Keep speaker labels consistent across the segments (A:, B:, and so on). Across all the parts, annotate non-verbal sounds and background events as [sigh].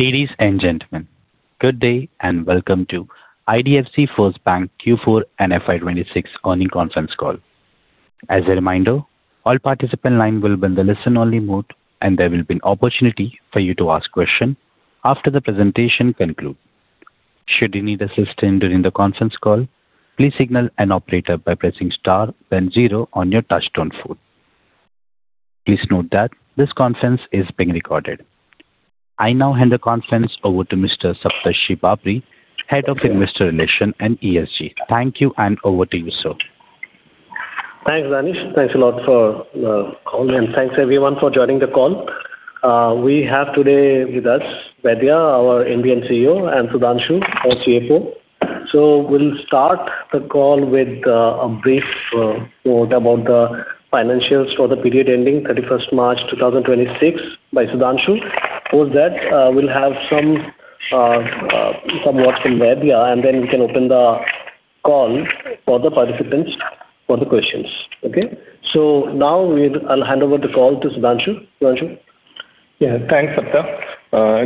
A: Ladies and gentlemen, good day and welcome to IDFC First Bank Q4 and FY 2026 earnings conference call. As a reminder, all participant lines will be in the listen-only mode, and there will be an opportunity for you to ask questions after the presentation concludes. Should you need assistance during the conference call, please signal an operator by pressing star then zero on your touchtone phone. Please note that this conference is being recorded. I now hand the conference over to Mr. Saptarshi Bapari, Head of Investor Relations and ESG. Thank you, and over to you, sir.
B: Thanks, Danish. Thanks a lot for calling, and thanks everyone for joining the call. We have today with us Vaidya, our MD and CEO, and Sudhanshu, our CFO. We'll start the call with a brief note about the financials for the period ending 31st March 2026 by Sudhanshu. Post that, we'll have some words from Vaidya, and then we can open the call for the participants for the questions. Okay? Now I'll hand over the call to Sudhanshu. Sudhanshu.
C: Yeah. Thanks, Sapta.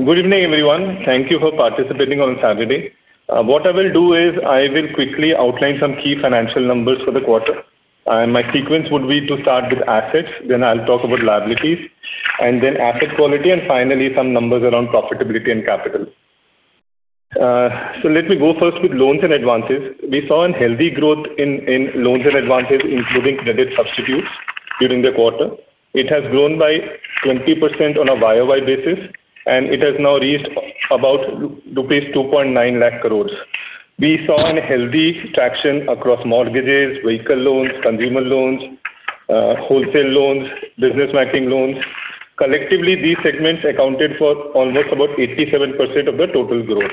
C: Good evening, everyone. Thank you for participating on Saturday. What I will do is I will quickly outline some key financial numbers for the quarter. My sequence would be to start with assets, then I'll talk about liabilities, and then asset quality, and finally some numbers around profitability and capital. Let me go first with loans and advances. We saw a healthy growth in loans and advances, including credit substitutes during the quarter. It has grown by 20% on a YOY basis, and it has now reached about rupees 2.9 lakh crore. We saw a healthy traction across mortgages, vehicle loans, consumer loans, wholesale loans, business banking loans. Collectively, these segments accounted for almost about 87% of the total growth.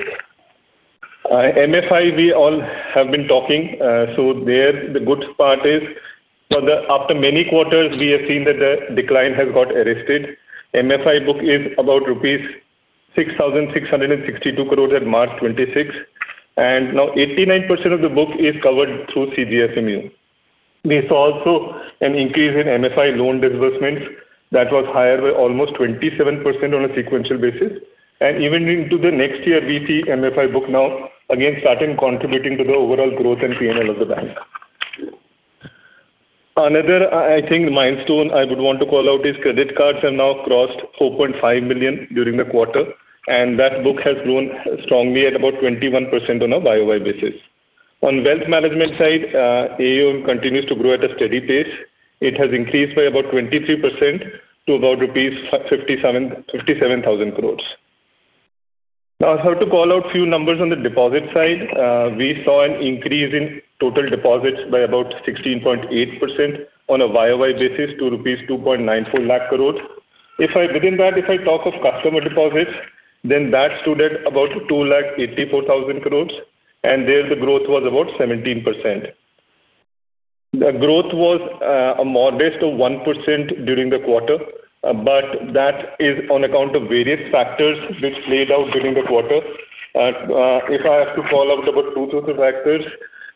C: MFI, we all have been talking. The good part is, after many quarters, we have seen that the decline has got arrested. MFI book is about rupees 6,662 crores at March 2026, and now 89% of the book is covered through CGFMU. We saw also an increase in MFI loan disbursements that was higher by almost 27% on a sequential basis. Even into the next year, we see MFI book now again starting contributing to the overall growth and P&L of the bank. Another, I think milestone I would want to call out is credit cards have now crossed 4.5 million during the quarter, and that book has grown strongly at about 21% on a YOY basis. On wealth management side, AUM continues to grow at a steady pace. It has increased by about 23% to about rupees 57,000 crore. Now, I have to call out few numbers on the deposit side. We saw an increase in total deposits by about 16.8% on a YOY basis to rupees 2.94 lakh crore. If I talk of customer deposits within that, then that stood at about 2.84 lakh crore, and there the growth was about 17%. The growth was a modest 1% during the quarter, but that is on account of various factors which played out during the quarter. If I have to call out about two, three factors,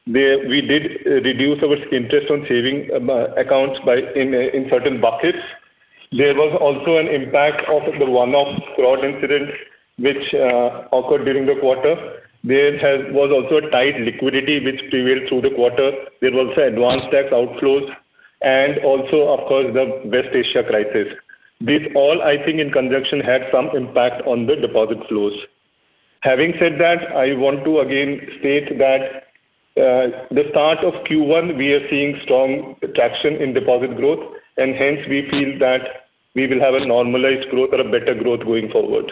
C: we did reduce our interest on savings accounts in certain buckets. There was also an impact of the one-off fraud incident which occurred during the quarter. There was also a tight liquidity which prevailed through the quarter. There was advance tax outflows and also of course the West Asia crisis. These all, I think, in conjunction, had some impact on the deposit flows. Having said that, I want to again state that, the start of Q1 we are seeing strong traction in deposit growth and hence we feel that we will have a normalized growth or a better growth going forward.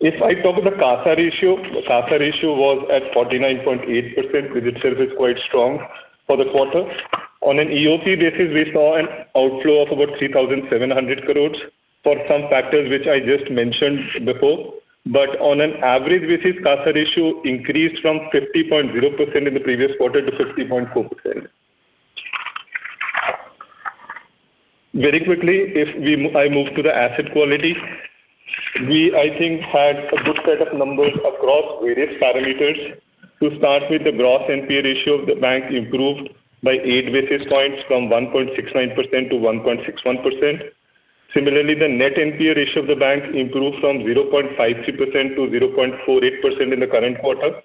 C: If I talk of the CASA ratio, the CASA ratio was at 49.8%, which itself is quite strong for the quarter. On an EOP basis, we saw an outflow of about 3,700 crores for some factors which I just mentioned before. On an average basis, CASA ratio increased from 50.0% in the previous quarter to 50.4%. Very quickly, if I move to the asset quality. We, I think, had a good set of numbers across various parameters. To start with, the gross NPA ratio of the bank improved by 8 basis points from 1.69% to 1.61%. Similarly, the net NPA ratio of the bank improved from 0.53% to 0.48% in the current quarter.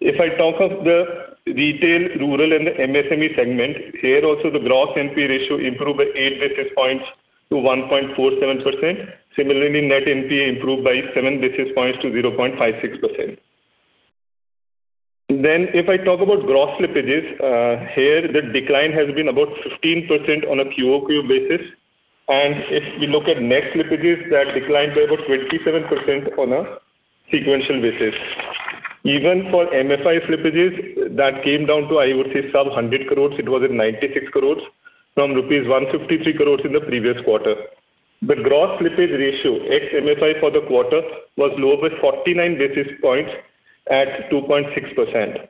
C: If I talk of the retail, rural and MSME segment, here also the gross NPA ratio improved by 8 basis points to 1.47%. Similarly, net NPA improved by 7 basis points to 0.56%. If I talk about gross slippages, here the decline has been about 15% on a QOQ basis. If you look at net slippages, that declined by about 27% on a sequential basis. Even for MFI slippages, that came down to, I would say, sub 100 crores. It was at 96 crores from rupees 153 crores in the previous quarter. The gross slippage ratio, ex MFI for the quarter, was lower 49 basis points at 2.6%.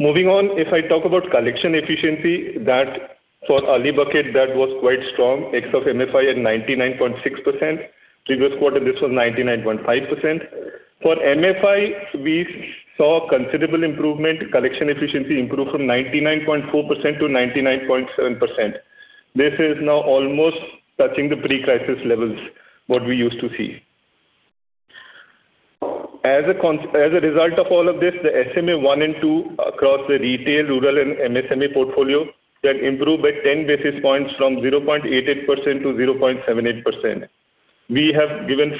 C: Moving on, if I talk about collection efficiency that for early bucket, that was quite strong, Ex of MFI at 99.6%. Previous quarter, this was 99.5%. For MFI, we saw considerable improvement. Collection efficiency improved from 99.4% to 99.7%. This is now almost touching the pre-crisis levels, what we used to see. As a result of all of this, the SMA 1 and 2 across the retail, rural, and MSME portfolio then improve by 10 basis points from 0.88% to 0.78%. We have given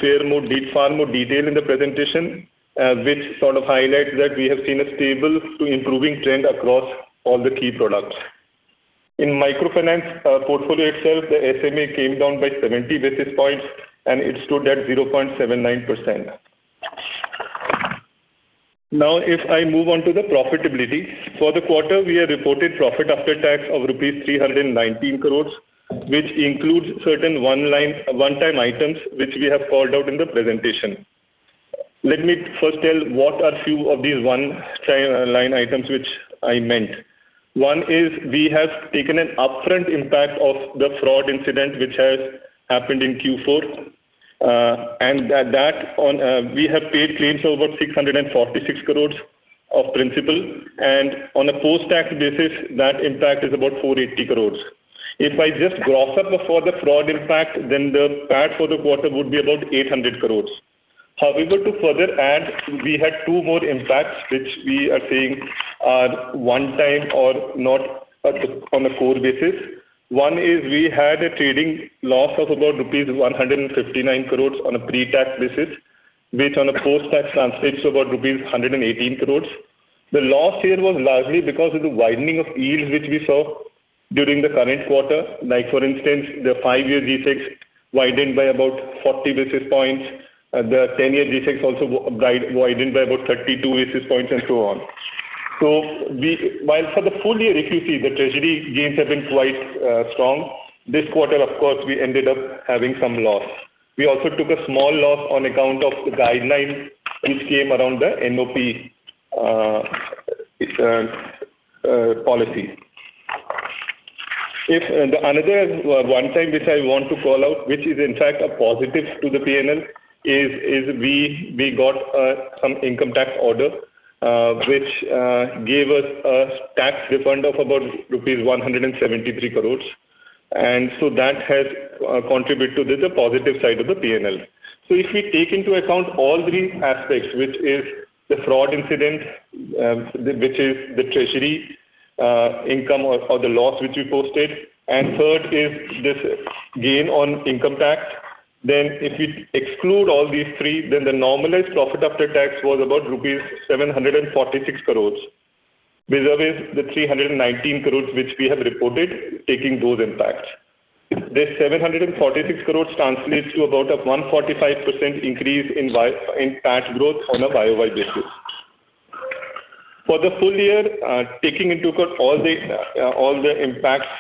C: far more detail in the presentation, which sort of highlights that we have seen a stable to improving trend across all the key products. In microfinance portfolio itself, the SMA came down by 70 basis points, and it stood at 0.79%. Now, if I move on to the profitability. For the quarter, we have reported profit after tax of rupees 319 crores, which includes certain one-time items which we have called out in the presentation. Let me first tell what are a few of these one-time line items which I meant. One is we have taken an upfront impact of the fraud incident which has happened in Q4. We have paid claims over 646 crore of principal. On a post-tax basis, that impact is about 480 crore. If I just gross up before the fraud impact, then the PAT for the quarter would be about 800 crore. However, to further add, we had two more impacts which we are saying are one-time, on a core basis. One is we had a trading loss of about rupees 159 crore on a pre-tax basis, which on a post-tax translates to about rupees 118 crore. The loss here was largely because of the widening of yields which we saw during the current quarter. Like, for instance, the five-year G-Secs widened by about 40 basis points. The 10-year G-Secs also widened by about 32 basis points and so on. We, while for the full year, if you see the treasury gains have been quite strong. This quarter, of course, we ended up having some loss. We also took a small loss on account of the guidelines which came around the MOP policy. Another one time which I want to call out, which is in fact a positive to the P&L. We got some income tax order which gave us a tax refund of about rupees 173 crores. That has contributed to the positive side of the P&L. If we take into account all three aspects, which is the fraud incident, which is the treasury income or the loss which we posted, and third is this gain on income tax, then if you exclude all these three, then the normalized profit after tax was about rupees 746 crore. Vis-à-vis the 319 crore which we have reported taking those impacts. This 746 crore translates to about a 145% increase in PAT growth on a YOY basis. For the full year, taking into account all the impacts,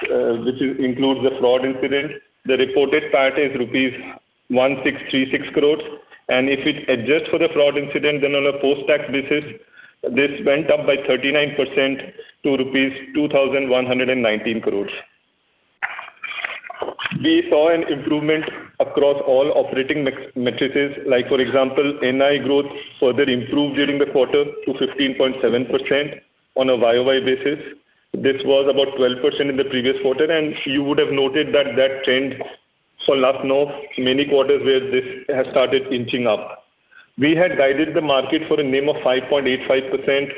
C: which includes the fraud incident, the reported PAT is rupees 1,636 crore. If we adjust for the fraud incident, then on a post-tax basis, this went up by 39% to rupees 2,119 crores. We saw an improvement across all operating metrics. Like for example, NII growth further improved during the quarter to 15.7% on a YOY basis. This was about 12% in the previous quarter, and you would have noted that trend for last now many quarters where this has started inching up. We had guided the market for a NIM of 5.85%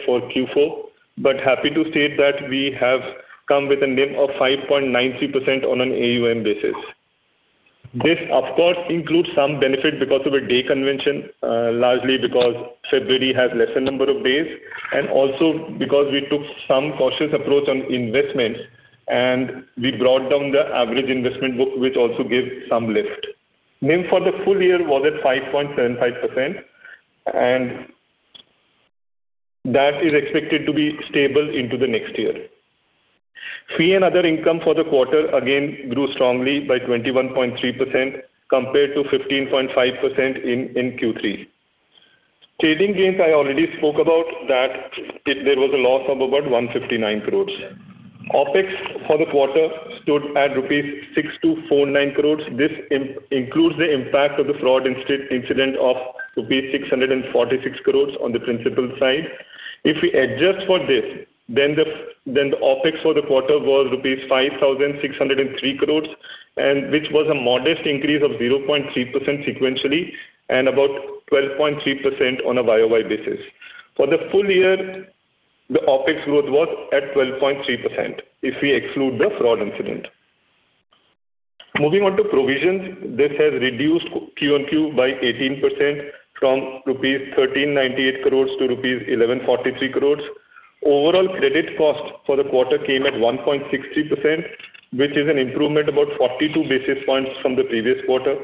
C: for Q4, but happy to state that we have come with a NIM of 5.93% on an AUM basis. This of course includes some benefit because of a day convention, largely because February has lesser number of days, and also because we took some cautious approach on investments, and we brought down the average investment book, which also gave some lift. NIM for the full year was at 5.75%, and that is expected to be stable into the next year. Fee and other income for the quarter again grew strongly by 21.3% compared to 15.5% in Q3. Trading gains, I already spoke about that. There was a loss of about 159 crores. OpEx for the quarter stood at rupees 6,249 crores. This includes the impact of the fraud incident of rupees 646 crores on the principal side. If we adjust for this, the OpEx for the quarter was rupees 5,603 crore, which was a modest increase of 0.3% sequentially and about 12.3% on a YOY basis. For the full year, the OpEx growth was at 12.3% if we exclude the fraud incident. Moving on to provisions. This has reduced QoQ by 18% from rupees 1,398 crore to rupees 1,143 crore. Overall credit cost for the quarter came at 1.60%, which is an improvement about 42 basis points from the previous quarter.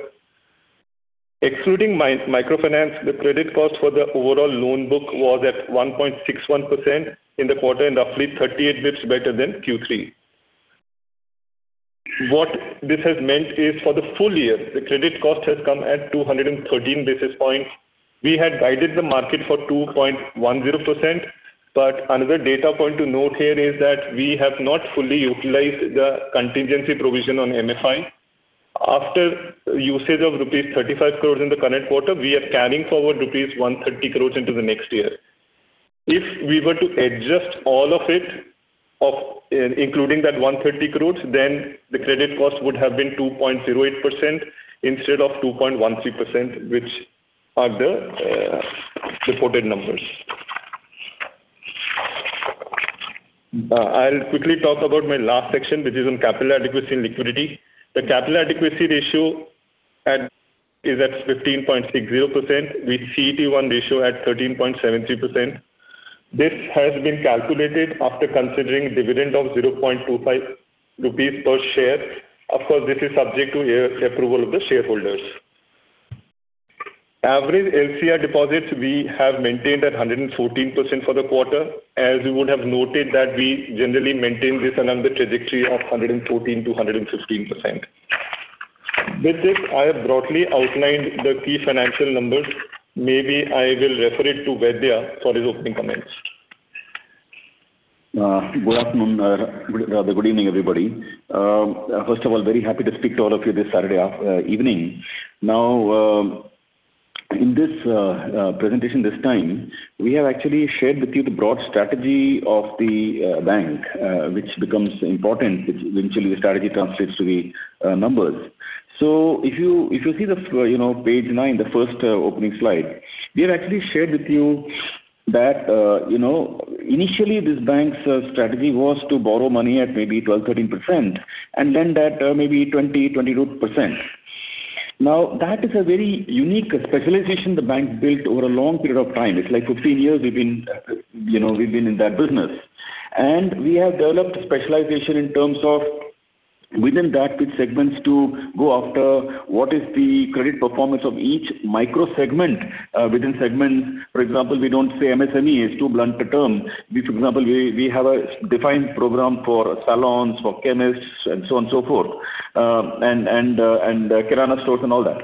C: Excluding microfinance, the credit cost for the overall loan book was at 1.61% in the quarter, and roughly 38 basis points better than Q3. What this has meant is for the full year, the credit cost has come at 213 basis points. We had guided the market for 2.10%, but another data point to note here is that we have not fully utilized the contingency provision on MFI. After usage of rupees 35 crore in the current quarter, we are carrying forward rupees 130 crore into the next year. If we were to adjust all of it off, including that 130 crore, then the credit cost would have been 2.08% instead of 2.13%, which are the reported numbers. I'll quickly talk about my last section, which is on capital adequacy and liquidity. The capital adequacy ratio is at 15.60%, with CET1 ratio at 13.70%. This has been calculated after considering dividend of 0.25 rupees per share. Of course, this is subject to approval of the shareholders. Average LCR deposits we have maintained at 114% for the quarter. As you would have noted that we generally maintain this along the trajectory of 114%-115%. With this, I have broadly outlined the key financial numbers. Maybe I will refer it to Vaidya for his opening comments.
D: Good evening, everybody. First of all, very happy to speak to all of you this Saturday evening. Now, in this presentation this time, we have actually shared with you the broad strategy of the bank, which becomes important, which eventually the strategy translates to the numbers. If you see, you know, page nine, the first opening slide, we have actually shared with you that, you know, initially this bank's strategy was to borrow money at maybe 12%-13% and lend at maybe 20%-22%. Now, that is a very unique specialization the bank built over a long period of time. It's like 15 years we've been in that business. We have developed specialization in terms of within that, which segments to go after, what is the credit performance of each micro segment, within segment. For example, we don't say MSME. It's too blunt a term. We, for example, have a defined program for salons, for chemists and so on and so forth, and kirana stores and all that.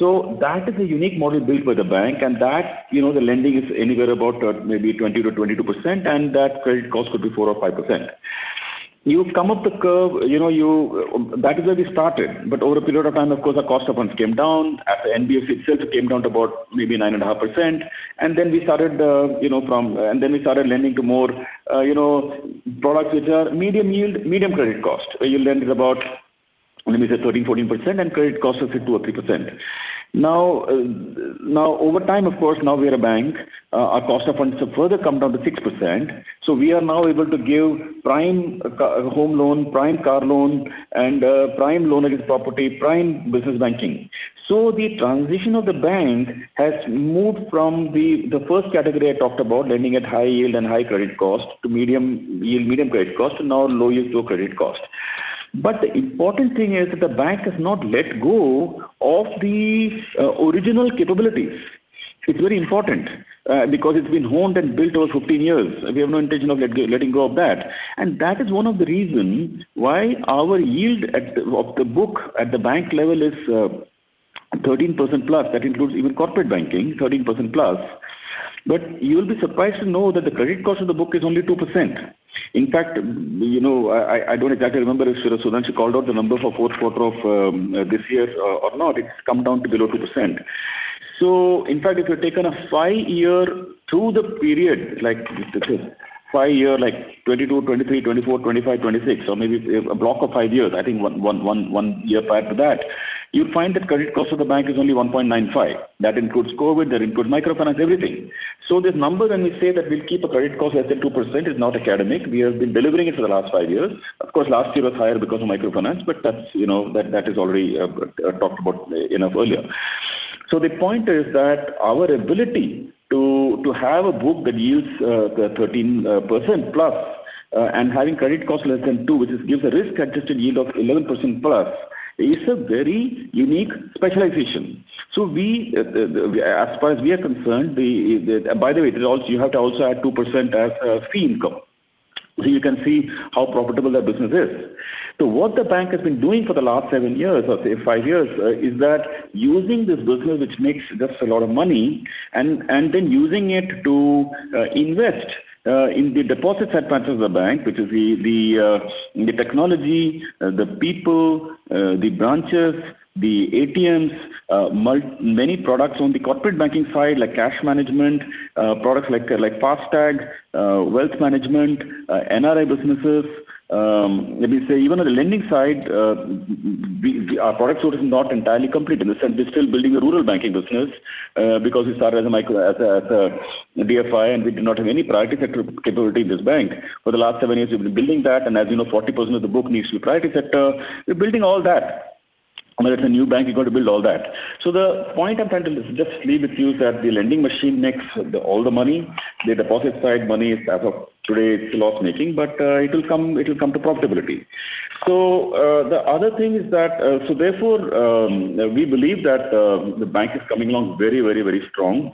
D: That is a unique model built by the bank and that, you know, the lending is anywhere about, maybe 20%-22%, and that credit cost could be 4% or 5%. You come up the curve, you know. That is where we started. Over a period of time, of course, our cost of funds came down. At the NBFC itself, it came down to about maybe 9.5%. We started lending to more, you know, products which are medium yield, medium credit cost. Where your yield is about, let me say 13%, 14% and credit cost is at 2% or 3%. Now over time, of course, we are a bank. Our cost of funds have further come down to 6%. We are now able to give prime home loan, prime car loan and prime loan against property, prime business banking. The transition of the bank has moved from the first category I talked about, lending at high yield and high credit cost to medium yield, medium credit cost to now low yield, low credit cost. The important thing is that the bank has not let go of the original capabilities. It's very important because it's been honed and built over 15 years. We have no intention of letting go of that. That is one of the reason why our yield of the book at the bank level is 13%+. That includes even corporate banking, 13%+. You will be surprised to know that the credit cost of the book is only 2%. In fact, you know, I don't exactly remember if Sudhanshu she called out the number for fourth quarter of this year's or not. It's come down to below 2%. In fact, if you've taken a five-year through the period, like this is five-year, like 2022, 2023, 2024, 2025, 2026 or maybe a block of five years, I think one year prior to that, you'll find that credit cost of the bank is only 1.95%. That includes COVID, that includes microfinance, everything. This number, when we say that we'll keep a credit cost less than 2% is not academic. We have been delivering it for the last five years. Of course, last year was higher because of microfinance, but that's, you know, that is already talked about enough earlier. The point is that our ability to have a book that yields 13%+, and having credit cost less than 2%, which gives a risk-adjusted yield of 11%+, is a very unique specialization. As far as we are concerned, by the way, it is also. You have to also add 2% as fee income. You can see how profitable that business is. What the bank has been doing for the last seven years or say five years is that using this business, which makes just a lot of money and then using it to invest in the deposit side branches of the bank, which is the technology, the people, the branches, the ATMs, many products on the corporate banking side, like cash management, products like FASTag, wealth management, NRI businesses. Let me say even on the lending side, our product suite is not entirely complete. In the sense we're still building a rural banking business because we started as a micro, as a DFI, and we did not have any priority sector capability in this bank. For the last seven years, we've been building that. As you know, 40% of the book needs to be priority sector. We're building all that. I mean, as a new bank, you got to build all that. The point I'm trying to just leave with you is that the lending machine makes all the money. The deposit side is as of today loss-making, but it will come to profitability. The other thing is that therefore we believe that the bank is coming along very strong.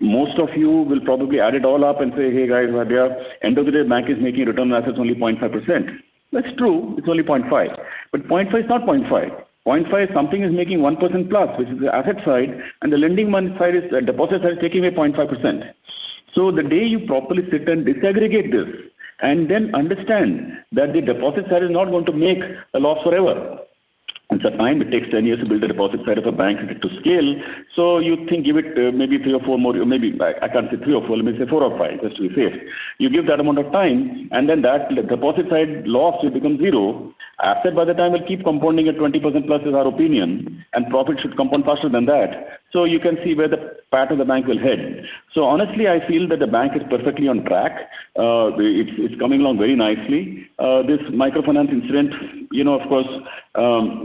D: Most of you will probably add it all up and say, "Hey guys, Vaidya, end of the day bank is making return on assets only 0.5%." That's true. It's only 0.5%, but 0.5% is not 0.5%. 0.5% is something making 1%+, which is the asset side, and the lending money side is, deposit side is taking away 0.5%. The day you properly sit and disaggregate this and then understand that the deposit side is not going to make a loss forever. Sometimes it takes 10 years to build a deposit side of a bank to scale. You can give it maybe three or four more, maybe I can say three or four, let me say four or, just to be safe. You give that amount of time, and then that deposit side loss will become zero. Asset by the time will keep compounding at 20%+ is our opinion, and profit should compound faster than that. You can see where the part of the bank will head. Honestly, I feel that the bank is perfectly on track. It's coming along very nicely. This microfinance incident, you know, of course,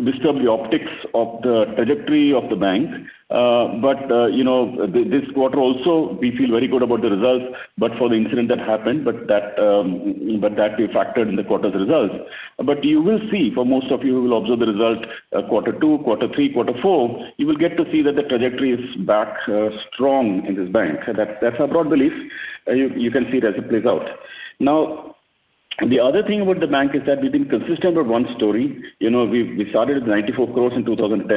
D: disturbed the optics of the trajectory of the bank. You know, this quarter also, we feel very good about the results. But for the incident that happened, but that we factored in the quarter's results. You will see for most of you who will observe the result, quarter two, quarter three, quarter four, you will get to see that the trajectory is back strong in this bank. That's our broad belief. You can see it as it plays out. Now, the other thing about the bank is that we've been consistent with one story. You know, we started with 94 crores in 2010.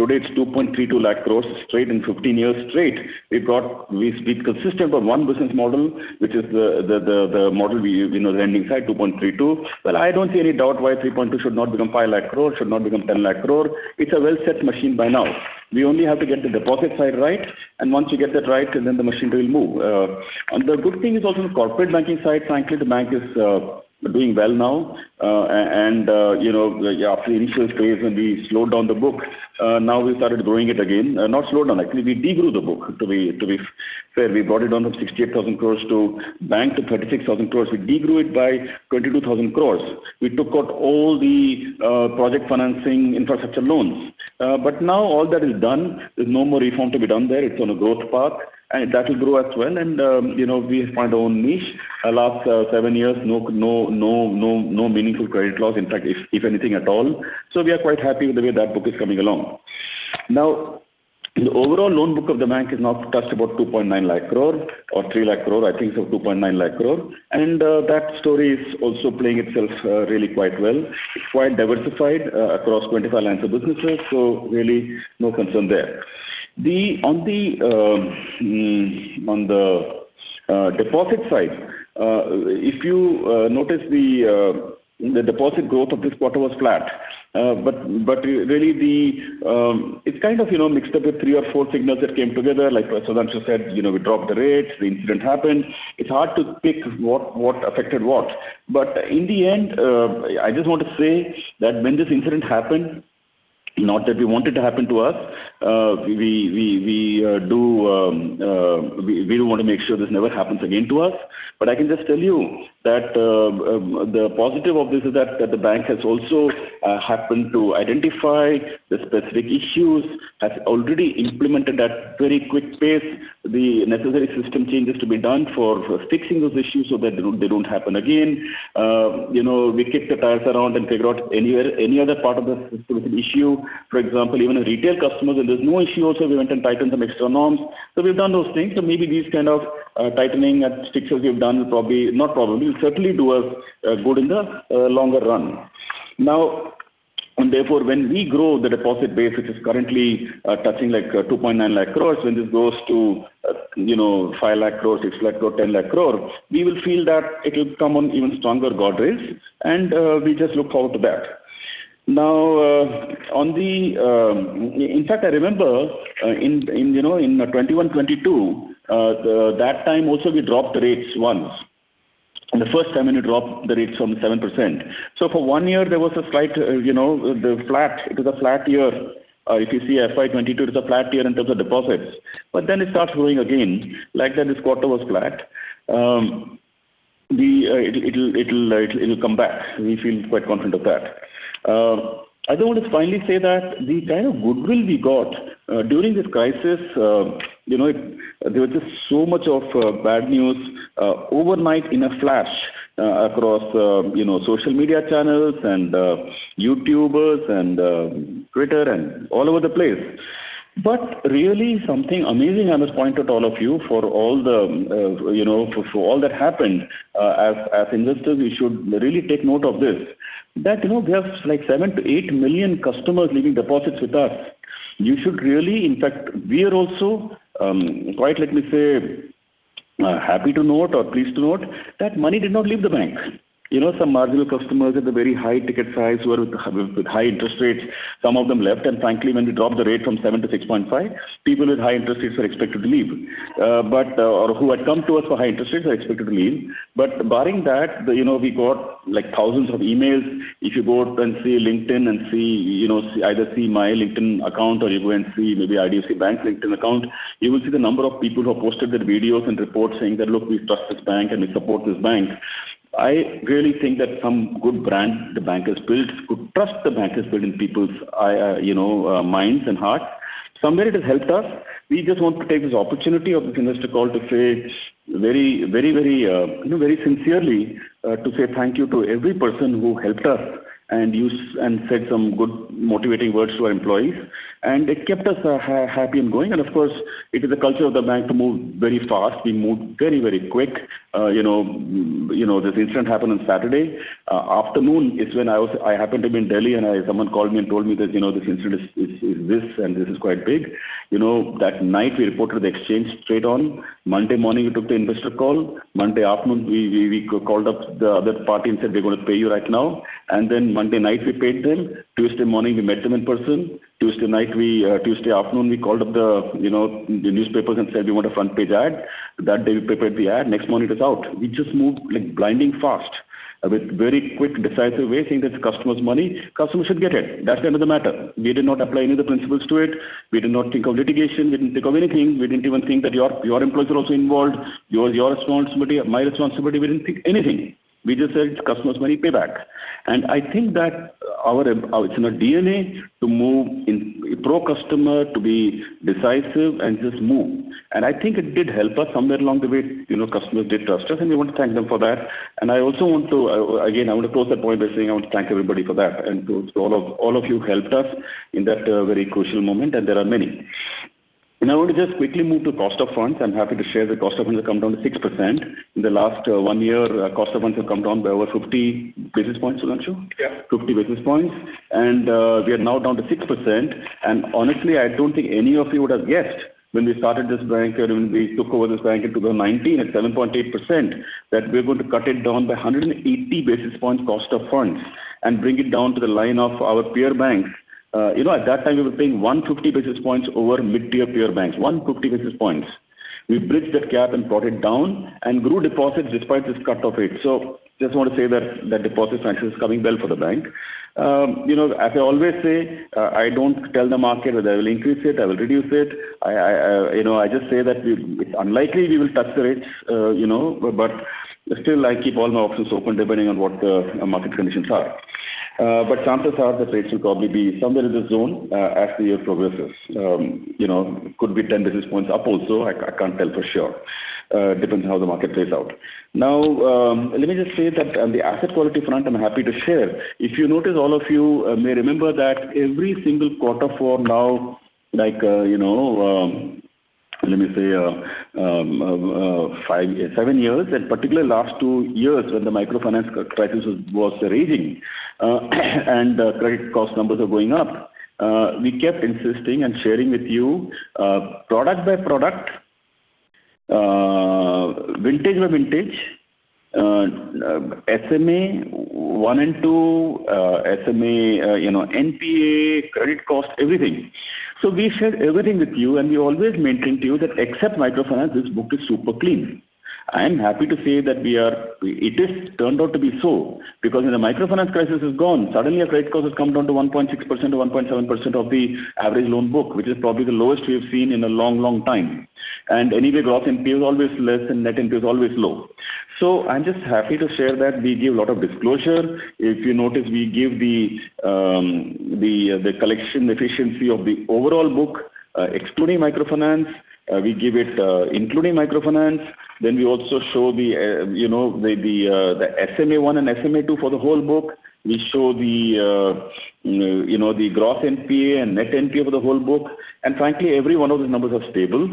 D: Today it's 2.32 lakh crores straight in 15 years straight. We've been consistent with one business model, which is the model we, you know, the lending side, 2.32 lakh crores. Well, I don't see any doubt why 3.2 lakh crores should not become 5 lakh crore, should not become 10 lakh crore. It's a well-set machine by now. We only have to get the deposit side right, and once you get that right, then the machinery will move. The good thing is also the corporate banking side, frankly, the bank is doing well now. You know, after the initial phase when we slowed down the book, now we started growing it again. Not slowed down. Actually, we de-grew the book, to be fair. We brought it down from 68,000 crore to 36,000 crore. We de-grew it by 22,000 crore. We took out all the project financing infrastructure loans. Now all that is done. There's no more reform to be done there. It's on a growth path, and that will grow as well. You know, we find our own niche. Last seven years, no meaningful credit loss, in fact, if anything at all. We are quite happy with the way that book is coming along. Now, the overall loan book of the bank has now touched about 2.9 lakh crore or 3 lakh crore. I think it's of 2.9 lakh crore. That story is also playing itself, really quite well. It's quite diversified across 25 lines of businesses, so really no concern there. On the deposit side, if you notice the deposit growth of this quarter was flat. Really it's kind of, you know, mixed up with three or four signals that came together. Like Sudhanshu said, you know, we dropped the rates, the incident happened. It's hard to pick what affected what. In the end, I just want to say that when this incident happened, not that we want it to happen to us, we want to make sure this never happens again to us. I can just tell you that the positive of this is that the bank has also happened to identify the specific issues, has already implemented at very quick pace the necessary system changes to be done for fixing those issues so that they don't happen again. You know, we kick the tires around and figure out any other part of the system with an issue. For example, even in retail customers, and there's no issue also, we went and tightened some extra norms. So we've done those things. So maybe these kind of tightening and strictures we've done will probably, not probably, will certainly do us good in the longer run. Now, therefore, when we grow the deposit base, which is currently touching like 2.9 lakh crore, when this grows to, you know, 5 lakh crore, 6 lakh crore, 10 lakh crore, we will feel that it will come on even stronger guardrails, and we just look forward to that. In fact, I remember in, you know, in 2021, 2022, that time also we dropped rates once. The first time when you drop the rates from 7%. For one year there was a slight, you know, flat. It was a flat year. If you see FY 2022, it's a flat year in terms of deposits. Then it starts growing again. Like that, this quarter was flat. It'll come back. We feel quite confident of that. I do want to finally say that the kind of goodwill we got during this crisis, you know, there was just so much of bad news overnight in a flash across, you know, social media channels and YouTubers and Twitter and all over the place. Really something amazing I must point at all of you for all the, you know, for all that happened. As investors, we should really take note of this, that, you know, we have like 7-8 million customers leaving deposits with us. You should really, in fact, we are also quite, let me say, happy to note or pleased to note that money did not leave the bank. You know, some marginal customers at the very high ticket size who are with high interest rates, some of them left. Frankly, when we dropped the rate from 7% to 6.5%, people with high interest rates or who had come to us for high interest rates are expected to leave. Barring that, you know, we got like thousands of emails. If you go and see LinkedIn, you know, either see my LinkedIn account or you go and see maybe IDFC Bank LinkedIn account, you will see the number of people who posted their videos and reports saying that, "Look, we trust this bank and we support this bank." I really think that some good brand the bank has built, good trust the bank has built in people's, you know, minds and hearts. Somewhere it has helped us. We just want to take this opportunity of investor call to say very you know very sincerely to say thank you to every person who helped us and said some good motivating words to our employees. It kept us happy and going. Of course, it is a culture of the bank to move very fast. We moved very quick. You know, this incident happened on Saturday. Afternoon is when I happened to be in Delhi, and someone called me and told me that you know this incident is this and this is quite big. You know, that night we reported the exchange straight on. Monday morning, we took the investor call. Monday afternoon, we called up the other party and said, "We're gonna pay you right now." Then Monday night we paid them. Tuesday morning we met them in person. Tuesday afternoon we called up the, you know, the newspapers and said we want a front page ad. That day we prepared the ad. Next morning it was out. We just moved like blindingly fast. With very quick, decisive way, saying that the customer's money, customer should get it. That's the end of the matter. We did not apply any of the principles to it. We did not think of litigation. We didn't think of anything. We didn't even think that your employer is also involved. Your responsibility, my responsibility. We didn't think anything. We just said, "Customer's money, pay back." I think that our you know, DNA to move in pro customer, to be decisive and just move. I think it did help us somewhere along the way, you know, customers did trust us, and we want to thank them for that. I also want to again, I want to close that point by saying I want to thank everybody for that and to all of you who helped us in that very crucial moment, and there are many. I want to just quickly move to cost of funds. I'm happy to share the cost of funds have come down to 6%. In the last one year, cost of funds have come down by over 50 basis points, wasn't it, Shu?
C: Yeah.
D: 50 basis points. We are now down to 6% and honestly, I don't think any of you would have guessed when we started this bank or when we took over this bank in 2019 at 7.8% that we're going to cut it down by 180 basis points cost of funds and bring it down to the line of our peer banks. You know, at that time we were paying 150 basis points over mid-tier peer banks. 150 basis points. We bridged that gap and brought it down and grew deposits despite this cut of rate. I just want to say that the deposit function is coming well for the bank. You know, as I always say, I don't tell the market whether I will increase it, I will reduce it. I you know, I just say that it's unlikely we will touch the rates, you know, but still, I keep all my options open depending on what the market conditions are. Chances are the rates will probably be somewhere in the zone as the year progresses. You know, could be 10 basis points up also. I can't tell for sure. Depends on how the market plays out. Now, let me just say that on the asset quality front, I'm happy to share. If you notice, all of you may remember that every single quarter for now, like, you know, let me say, five, seven years, and particularly last two years when the microfinance crisis was raging, and credit cost numbers were going up, we kept insisting and sharing with you, product by product, vintage by vintage, SMA 1 and 2, SMA, you know, NPA, credit cost, everything. We shared everything with you, and we always maintained to you that except microfinance, this book is super clean. I am happy to say that it has turned out to be so because when the microfinance crisis is gone, suddenly our credit cost has come down to 1.6% or 1.7% of the average loan book, which is probably the lowest we have seen in a long, long time. Anyway, Gross NPA is always less and Net NPA is always low. I'm just happy to share that we give a lot of disclosure. If you notice, we give the collection efficiency of the overall book, excluding microfinance. We give it, including microfinance. We also show you know, the SMA 1 and SMA 2 for the whole book. We show you know, the Gross NPA and Net NPA for the whole book. Frankly, every one of the numbers are stable.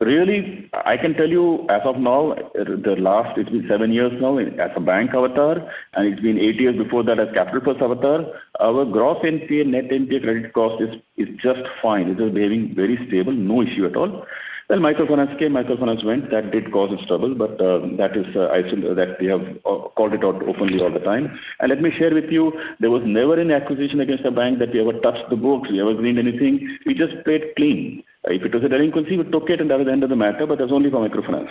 D: Really, I can tell you as of now, the last it's been seven years now as a bank avatar, and it's been eight years before that as Capital First avatar, our Gross NPA, Net NPA credit cost is just fine. It is behaving very stable. No issue at all. Microfinance came, microfinance went. That did cause us trouble, but that is, I assume that we have called it out openly all the time. Let me share with you there was never any acquisition against our bank that we never touched the books. We never gleaned anything. We just paid clean. If it was a delinquency, we took it, and that was the end of the matter, but that's only for microfinance.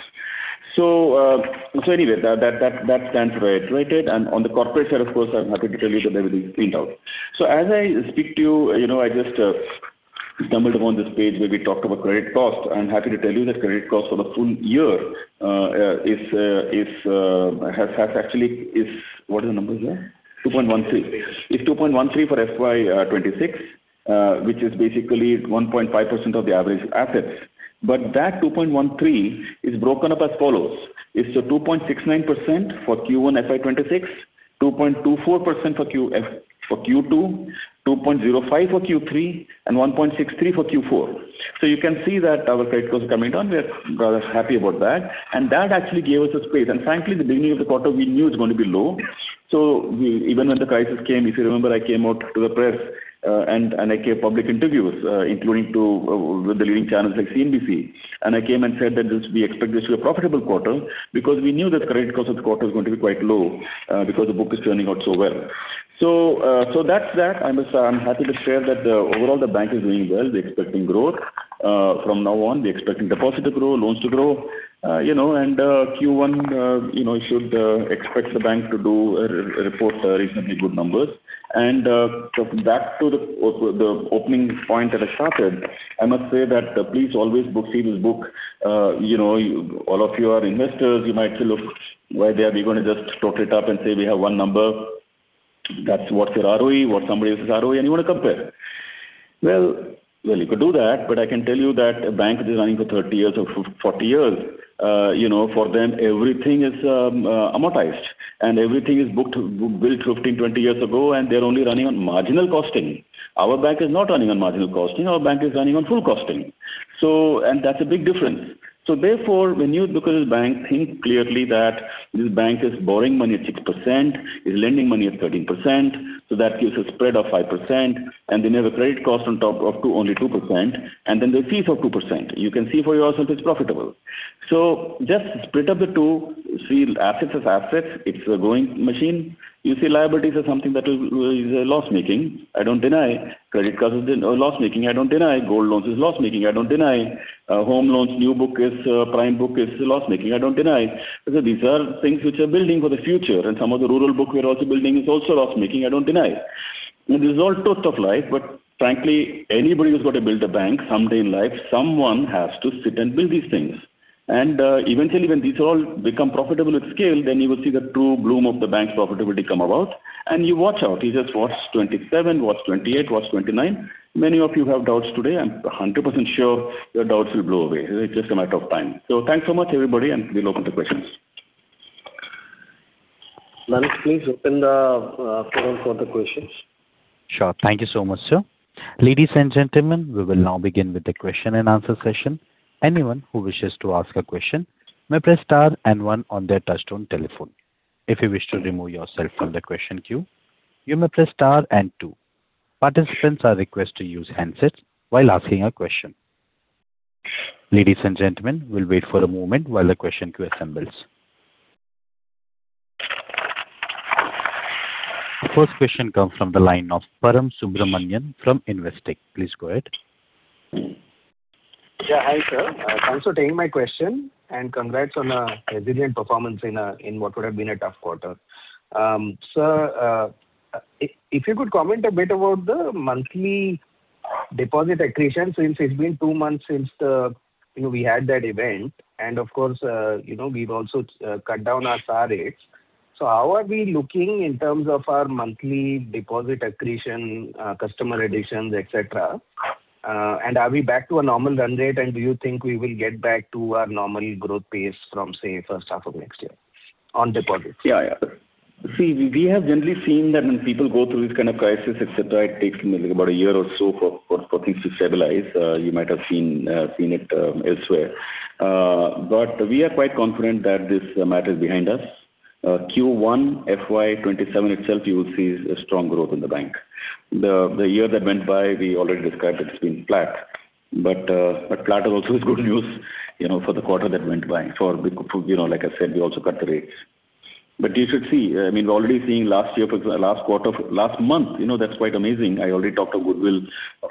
D: Anyway, that stands for it, right? On the corporate side, of course, I'm happy to tell you that everything's cleaned out. As I speak to you know, I just stumbled upon this page where we talked about credit cost. I'm happy to tell you that credit cost for the full year is actually 2.13%. What is the number here? It's 2.13% for FY 2026, which is basically 1.5% of the average assets. But that 2.13% is broken up as follows. It's 2.69% for Q1 FY 2026, 2.24% for Q2, 2.05% for Q3, and 1.63% for Q4. You can see that our credit cost is coming down. We are rather happy about that. That actually gave us a space. Frankly, the beginning of the quarter we knew it's going to be low. We, even when the crisis came, if you remember, I came out to the press, and I gave public interviews, including with the leading channels like CNBC. I came and said that this, we expect this to be a profitable quarter because we knew that credit cost of the quarter is going to be quite low, because the book is turning out so well. That's that. I'm happy to share that overall the bank is doing well. We're expecting growth. From now on, we're expecting deposit to grow, loans to grow, you know, and Q1, you know, should expect the bank to report reasonably good numbers. Coming back to the opening point that I started, I must say that please always look, see this book. You know, all of you are investors. You might say, "Look, why are we gonna just total it up and say we have one number?" That's what your ROE is, what somebody else's ROE is, and you want to compare. Well, you could do that, but I can tell you that a bank that is running for 30 years or 40 years, you know, for them everything is amortized and everything is booked, built 15, 20 years ago and they're only running on marginal costing. Our bank is not running on marginal costing. Our bank is running on full costing. And that's a big difference. When you look at this bank, think clearly that this bank is borrowing money at 6%, is lending money at 13%, so that gives a spread of 5%. They have a credit cost on top of two, only 2%. Then there's fees of 2%. You can see for yourself it's profitable. Just split up the two. See assets as assets. It's a growing machine. You see liabilities as something that is loss-making. I don't deny. Credit cost is loss-making. I don't deny. Gold loans is loss-making. I don't deny. Home loans, new book is, prime book is loss-making. I don't deny. Because these are things which are building for the future. Some of the rural book we're also building is also loss-making. I don't deny it. This is all toils of life, but frankly, anybody who's got to build a bank someday in life, someone has to sit and build these things. Eventually when these all become profitable at scale, then you will see the true bloom of the bank's profitability come about. You watch out. You just watch 27, watch 28, watch 29. Many of you have doubts today. I'm 100% sure your doubts will blow away. It's just a matter of time. Thanks so much, everybody, and we'll open to questions.
C: Danish, please open the floor for the questions.
A: Sure. Thank you so much, sir. Ladies and gentlemen, we will now begin with the question-and-answer session. Anyone who wishes to ask a question may press star and one on their touch-tone telephone. If you wish to remove yourself from the question queue, you may press star and two. Participants are requested to use handsets while asking a question. Ladies and gentlemen, we'll wait for a moment while the question queue assembles. The first question comes from the line of Param Subramanian from Investec. Please go ahead.
E: Yeah, hi, sir. Thanks for taking my question, and congrats on a resilient performance in in what would have been a tough quarter. Sir, if you could comment a bit about the monthly deposit accretion since it's been two months since the, you know, we had that event, and of course, you know, we've also cut down our SA rates. So how are we looking in terms of our monthly deposit accretion, customer additions, et cetera? And are we back to a normal run rate and do you think we will get back to our normal growth pace from, say, first half of next year on deposits?
D: See, we have generally seen that when people go through this kind of crisis, et cetera, it takes about a year or so for things to stabilize. You might have seen it elsewhere. We are quite confident that this matter is behind us. Q1, FY 2027 itself, you will see a strong growth in the bank. The year that went by, we already described it's been flat, but flat is also good news, you know, for the quarter that went by, you know, like I said, we also cut the rates. You should see, I mean, we're already seeing last year, last quarter, last month, you know, that's quite amazing. I already talked of goodwill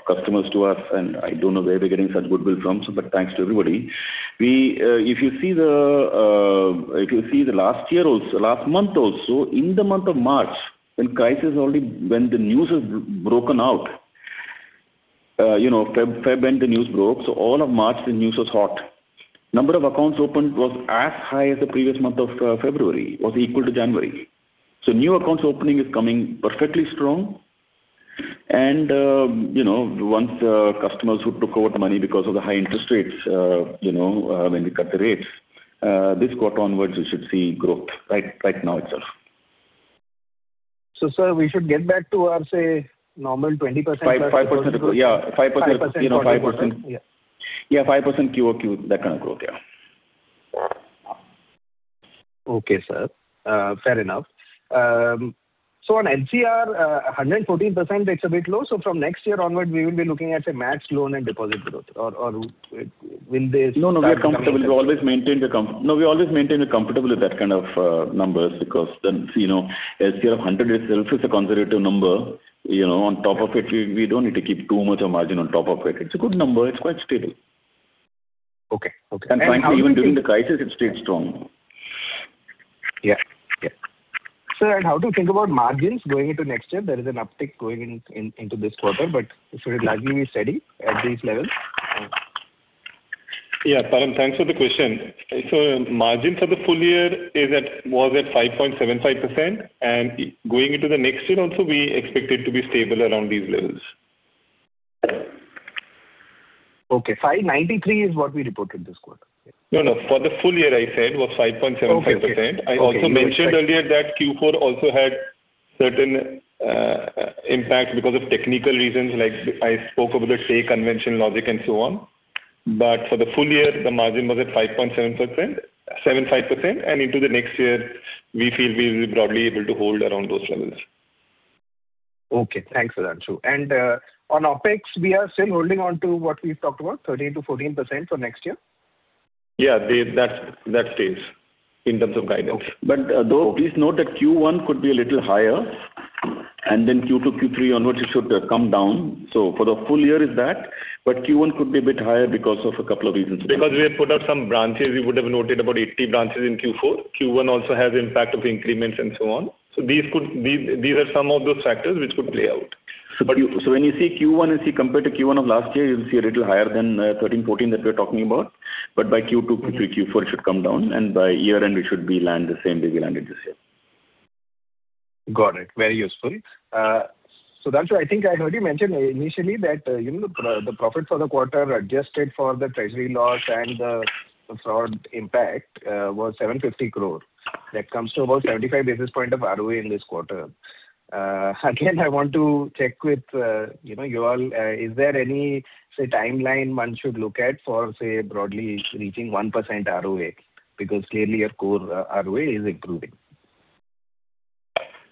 D: of customers to us, and I don't know where we're getting such goodwill from, but thanks to everybody. We, if you see the last year also, last month also, in the month of March, when crisis only, when the news has broken out, you know, February end the news broke, so all of March the news was hot. Number of accounts opened was as high as the previous month of February, was equal to January. So new accounts opening is coming perfectly strong. You know, once customers who took out money because of the high interest rates, you know, when we cut the rates, this quarter onwards you should see growth right now itself.
E: Sir, we should get back to our, say, normal 20%?
D: 5%. Yeah. 5%. You know, 5%.
E: Yeah.
D: Yeah, 5% QOQ, that kind of growth, yeah.
E: Okay, sir. Fair enough. On NCR, 114%, it's a bit low, so from next year onward we will be looking at a max loan and deposit growth? Or will this start coming?
D: No, no, we are comfortable. We always maintain it comfortable at that kind of numbers because then, you know, NCR of 100 itself is a conservative number. You know, on top of it, we don't need to keep too much of margin on top of it. It's a good number. It's quite stable.
E: Okay. Okay.
D: Frankly, even during the crisis it stayed strong.
E: Yeah. Yeah. Sir, and how do you think about margins going into next year? There is an uptick going into this quarter, but should it largely be steady at these levels?
C: Yeah. Param, thanks for the question. Margin for the full year is at, was at 5.75%, and going into the next year also we expect it to be stable around these levels.
E: Okay. 5.93% is what we reported this quarter.
C: No, no. For the full year, I said, was 5.75%.
E: Okay.
C: I also mentioned earlier that Q4 also had certain impact because of technical reasons, like I spoke about the stay convention logic and so on. For the full year, the margin was at 5.75%, and into the next year we feel we'll be broadly able to hold around those levels.
E: Okay. Thanks, Sudhanshu. On OpEx, we are still holding on to what we've talked about, 13%-14% for next year?
C: Yeah. That stays in terms of guidance.
D: Though please note that Q1 could be a little higher, and then Q2, Q3 onwards it should come down. For the full year, that's it, but Q1 could be a bit higher because of a couple of reasons.
C: Because we have put out some branches, you would have noted about 80 branches in Q4. Q1 also has impact of increments and so on. These are some of those factors which could play out.
D: When you see Q1 and see compared to Q1 of last year, you'll see a little higher than 13%, 14% that we're talking about. By Q2, Q3, Q4, it should come down, and by year-end we should be landing the same way we landed this year.
E: Got it. Very useful. Sudhanshu, I think I heard you mention initially that, you know, the profit for the quarter adjusted for the treasury loss and the fraud impact was 750 crore. That comes to about 75 basis points of ROE in this quarter. Again, I want to check with, you know, you all, is there any, say, timeline one should look at for, say, broadly reaching 1% ROE? Because clearly your core ROE is improving.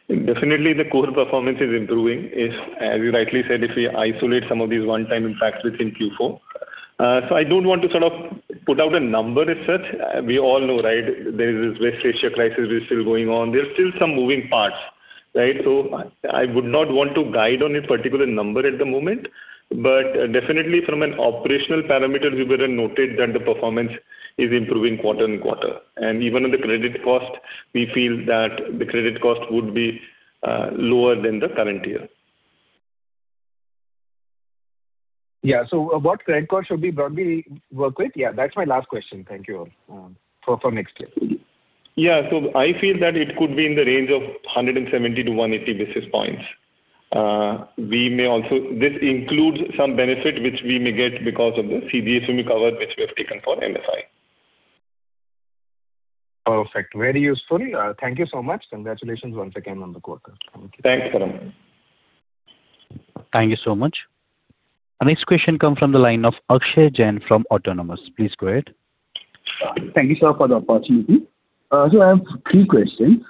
C: Definitely the core performance is improving. If, as you rightly said, if we isolate some of these one-time impacts within Q4. I don't want to sort of put out a number as such. We all know, right, there is this West Asia crisis is still going on. There are still some moving parts, right? I would not want to guide on a particular number at the moment. Definitely from an operational parameter, we would note that the performance is improving quarter-on-quarter. Even on the credit cost, we feel that the credit cost would be lower than the current year.
E: Yeah. What credit cost should we probably work with? Yeah, that's my last question. Thank you. For next year.
C: I feel that it could be in the range of 170-180 basis points. This includes some benefit which we may get because of the CGFMU cover which we have taken for MFI.
E: Perfect. Very useful. Thank you so much. Congratulations once again on the quarter. Thank you.
C: Thanks, Param.
A: Thank you so much. Our next question comes from the line of Akshay Jain from Autonomous. Please go ahead.
F: Thank you, sir, for the opportunity. I have three questions.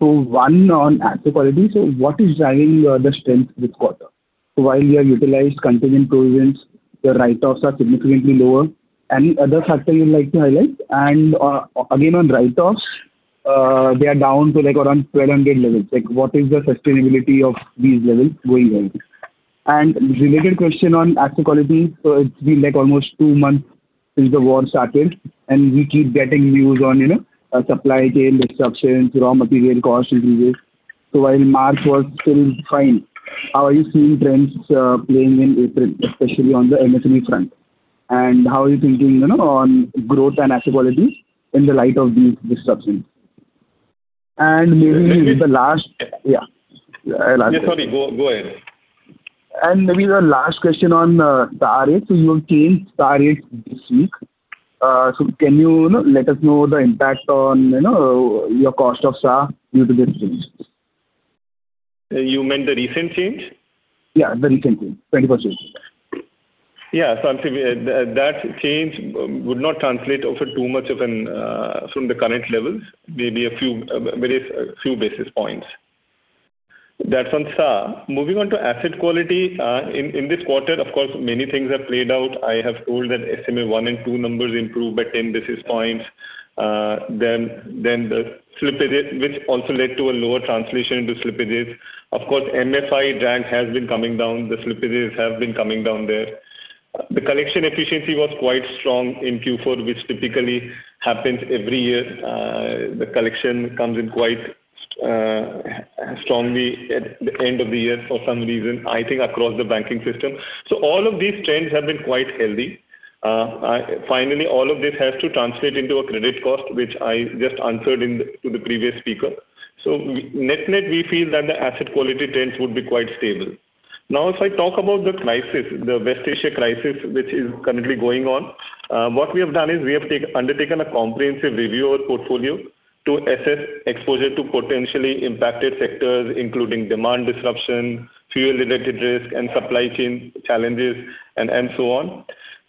F: One on asset quality. What is driving your the strength this quarter? While you have utilized contingent provisions, your write-offs are significantly lower. Any other factor you'd like to highlight? Again, on write-offs, they are down to, like, around 1,200 levels. Like, what is the sustainability of these levels going ahead? Related question on asset quality. It's been, like, almost two months since the war started, and we keep getting news on, you know, supply chain disruptions, raw material cost increases. While March was still fine, how are you seeing trends playing in April, especially on the MSME front? How are you thinking, you know, on growth and asset quality in the light of these disruptions? Maybe the last.
C: Yeah.
F: Yeah.
C: Sorry. Go ahead.
F: Maybe the last question on the rates. You have changed rates this week. Can you know, let us know the impact on, you know, your cost of SA due to this change?
C: You meant the recent change?
F: Yeah, the recent change. 20%.
C: Yeah. I'm saying that change would not translate over too much from the current levels, maybe a few basis points. That's on SA. Moving on to asset quality. In this quarter, of course, many things have played out. I have told that SMA 1 and 2 numbers improved by 10 basis points. Then the slippage, which also led to a lower addition to slippages. Of course, MFI drag has been coming down. The slippages have been coming down there. The collection efficiency was quite strong in Q4, which typically happens every year. The collection comes in quite strongly at the end of the year for some reason, I think across the banking system. All of these trends have been quite healthy. Finally, all of this has to translate into a credit cost, which I just answered in, to the previous speaker. Net/net we feel that the asset quality trends would be quite stable. Now, if I talk about the crisis, the West Asia crisis, which is currently going on, what we have done is we have undertaken a comprehensive review of portfolio to assess exposure to potentially impacted sectors, including demand disruption, fuel-related risk and supply chain challenges and so on.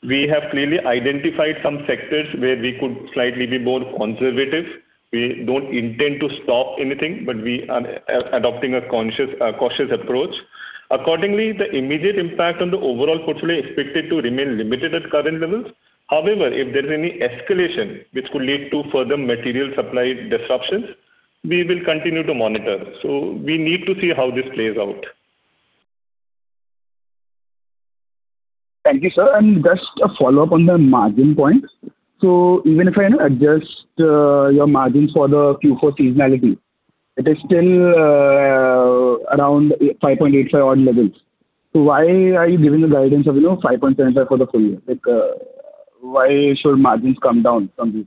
C: We have clearly identified some sectors where we could slightly be more conservative. We don't intend to stop anything, but we are adopting a conscious, cautious approach. Accordingly, the immediate impact on the overall portfolio is expected to remain limited at current levels. However, if there's any escalation which could lead to further material supply disruptions, we will continue to monitor. We need to see how this plays out.
F: Thank you, sir. Just a follow-up on the margin points. Even if I adjust your margins for the Q4 seasonality, it is still around 5.85% odd levels. Why are you giving the guidance of, you know, 5.75% for the full year? Like, why should margins come down from this?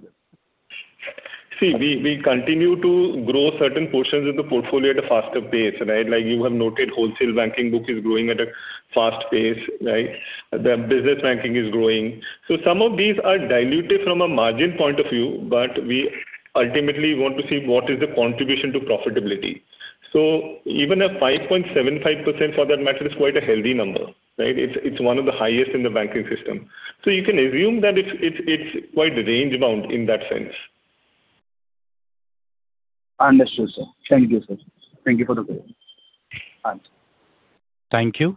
C: See, we continue to grow certain portions of the portfolio at a faster pace, right? Like you have noted, wholesale banking book is growing at a fast pace, right? The business banking is growing. Some of these are dilutive from a margin point of view, but we ultimately want to see what is the contribution to profitability. Even a 5.75% for that matter is quite a healthy number, right? It's one of the highest in the banking system. You can assume that it's quite range bound in that sense.
F: Understood, sir. Thank you, sir. Thank you for the answer.
A: Thank you.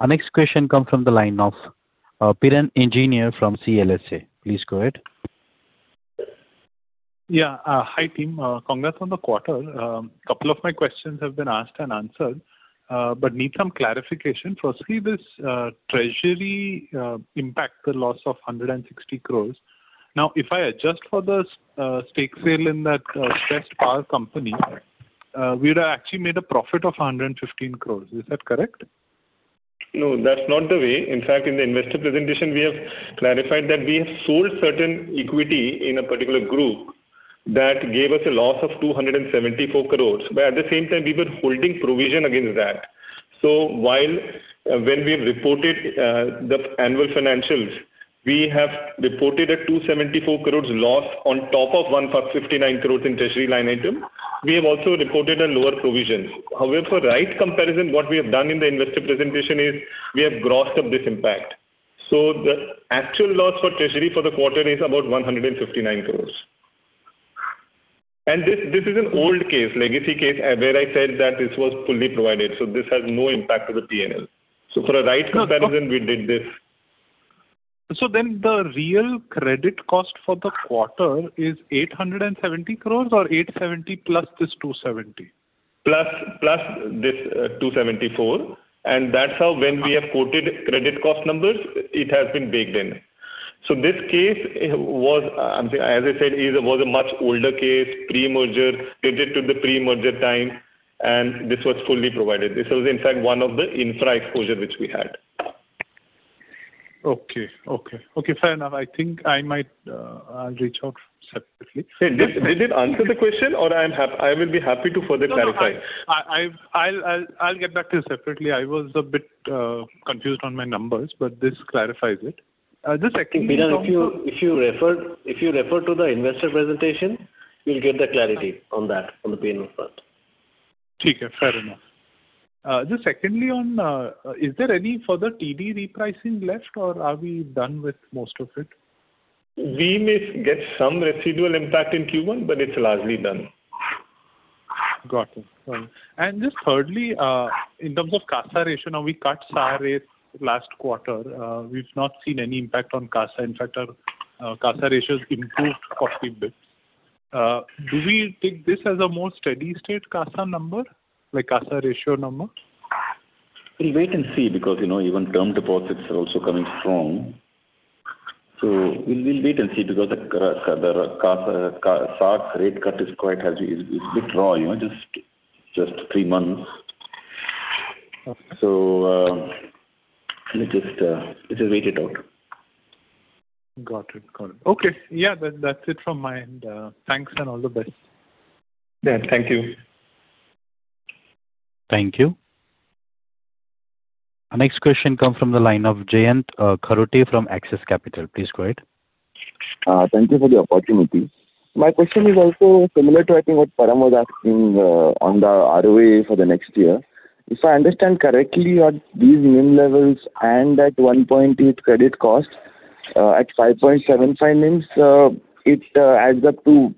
A: Our next question comes from the line of Piran Engineer from CLSA. Please go ahead.
G: Yeah. Hi, team. Congrats on the quarter. A couple of my questions have been asked and answered, but I need some clarification. Firstly, this treasury impact, the loss of 160 crores. Now, if I adjust for the stake sale in that stressed power company, we'd have actually made a profit of 115 crores. Is that correct?
C: No, that's not the way. In fact, in the investor presentation we have clarified that we have sold certain equity in a particular group that gave us a loss of 274 crore. At the same time, we were holding provision against that. While, when we reported the annual financials, we have reported a 274 crore loss on top of 159 crore in treasury line item. We have also reported a lower provision. Right comparison, what we have done in the investor presentation is we have grossed up this impact. The actual loss for treasury for the quarter is about 159 crore. This is an old case, legacy case, where I said that this was fully provided, so this has no impact to the P&L. For the right comparison, we did this.
G: The real credit cost for the quarter is 870 crores or 870+ crore this 270 crore?
C: Plus this 274 crore. That's how, when we have quoted credit cost numbers, it has been baked in. This case was a much older case, pre-merger, dated to the pre-merger time, and this was fully provided. This was in fact one of the infra exposure which we had.
G: Okay, fair enough. I think I might, I'll reach out separately.
C: Did it answer the question, or I will be happy to further clarify.
G: No, no. I'll get back to you separately. I was a bit confused on my numbers, but this clarifies it. Just secondly.
D: Binod, if you refer to the investor presentation, you'll get the clarity on that, on the P&L front.
G: Take it. Fair enough. Just secondly on, is there any further TD repricing left or are we done with most of it?
C: We may get some residual impact in Q1, but it's largely done.
G: Got it. Fine. Just thirdly, in terms of CASA ratio. Now, we cut SA rate last quarter. We've not seen any impact on CASA. In fact, our CASA ratio has improved 40 basis points. Do we take this as a more steady-state CASA number, like CASA ratio number?
D: We'll wait and see because, you know, even term deposits are also coming strong. We'll wait and see because the CASA, SA rate cut is quite harsh, is a bit raw, you know, just three months. Let's just wait it out.
G: Got it. Okay. Yeah. That's it from my end. Thanks and all the best.
C: Yeah. Thank you.
A: Thank you. Our next question comes from the line of Jayant Kharote from Axis Capital. Please go ahead.
H: Thank you for the opportunity. My question is also similar to I think what Param was asking, on the ROE for the next year. If I understand correctly, at these NIM levels and at 1.8% credit cost, at 5.75% NIMs, it adds up to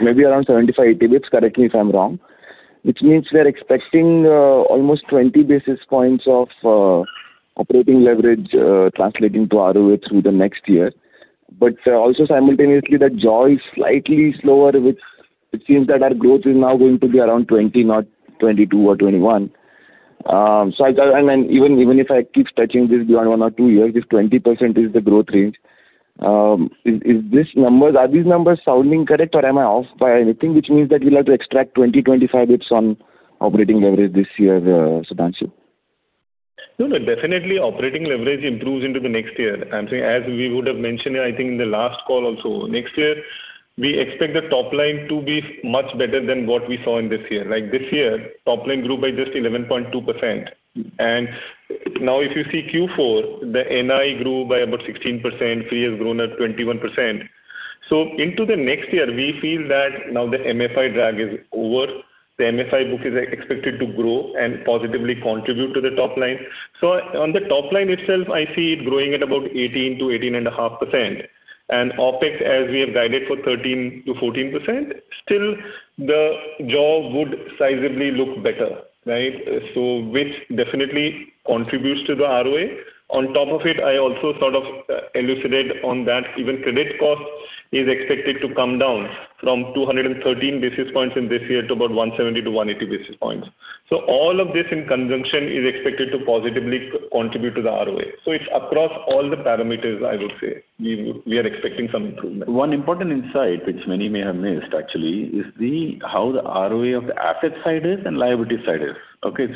H: maybe around 75-80 basis points, correct me if I'm wrong. Which means we are expecting almost 20 basis points of operating leverage translating to ROE through the next year. Also simultaneously that jaw is slightly slower, which it seems that our growth is now going to be around 20%, not 22% or 21%. I go. I mean, even if I keep stretching this beyond one or two years, if 20% is the growth range, are these numbers sounding correct or am I off by anything? Which means that we'll have to extract 20-25 basis points on operating leverage this year, Sudhanshu.
C: No, no, definitely operating leverage improves into the next year. I'm saying, as we would have mentioned, I think in the last call also. Next year, we expect the top line to be much better than what we saw in this year. Like this year, top line grew by just 11.2%. Now if you see Q4, the NII grew by about 16%, fee has grown at 21%. Into the next year we feel that now the MFI drag is over. The MFI book is expected to grow and positively contribute to the top line. On the top line itself, I see it growing at about 18%-18.5%. OpEx, as we have guided for 13%-14%, still the jaw would sizably look better, right? Which definitely contributes to the ROE. On top of it, I also sort of elucidated on that even credit cost is expected to come down from 213 basis points in this year to about 170-180 basis points. All of this in conjunction is expected to positively contribute to the ROE. It's across all the parameters, I would say, we are expecting some improvement.
D: One important insight which many may have missed actually is the how the ROE of the asset side is and liability side is. Okay.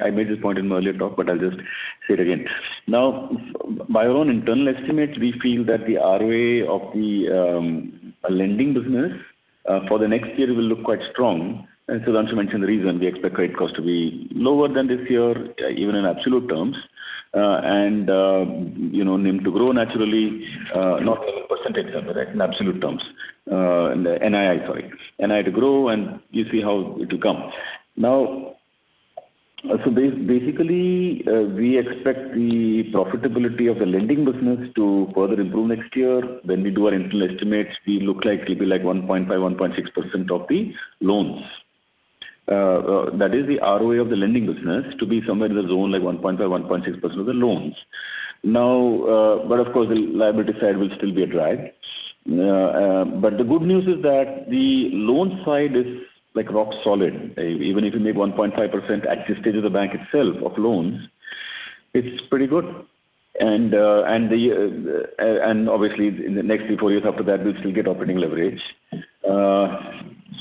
D: I made this point in my earlier talk, but I'll just say it again. Now, by our own internal estimates, we feel that the ROE of the lending business for the next year will look quite strong. Sudhanshu mentioned the reason we expect credit cost to be lower than this year, even in absolute terms. You know, NIM to grow naturally, not in a percentage number, right, in absolute terms. NII, sorry. NII to grow, and you see how it will come. Now, basically, we expect the profitability of the lending business to further improve next year. When we do our internal estimates, we look like it'll be like 1.5, 1.6% of the loans. That is the ROE of the lending business to be somewhere in the zone, like 1.5, 1.6% of the loans. Now, but of course, the liability side will still be a drag. The good news is that the loan side is like rock solid. Even if you make 1.5% at this stage of the bank itself of loans, it's pretty good. Obviously in the next three, four years after that, we'll still get operating leverage.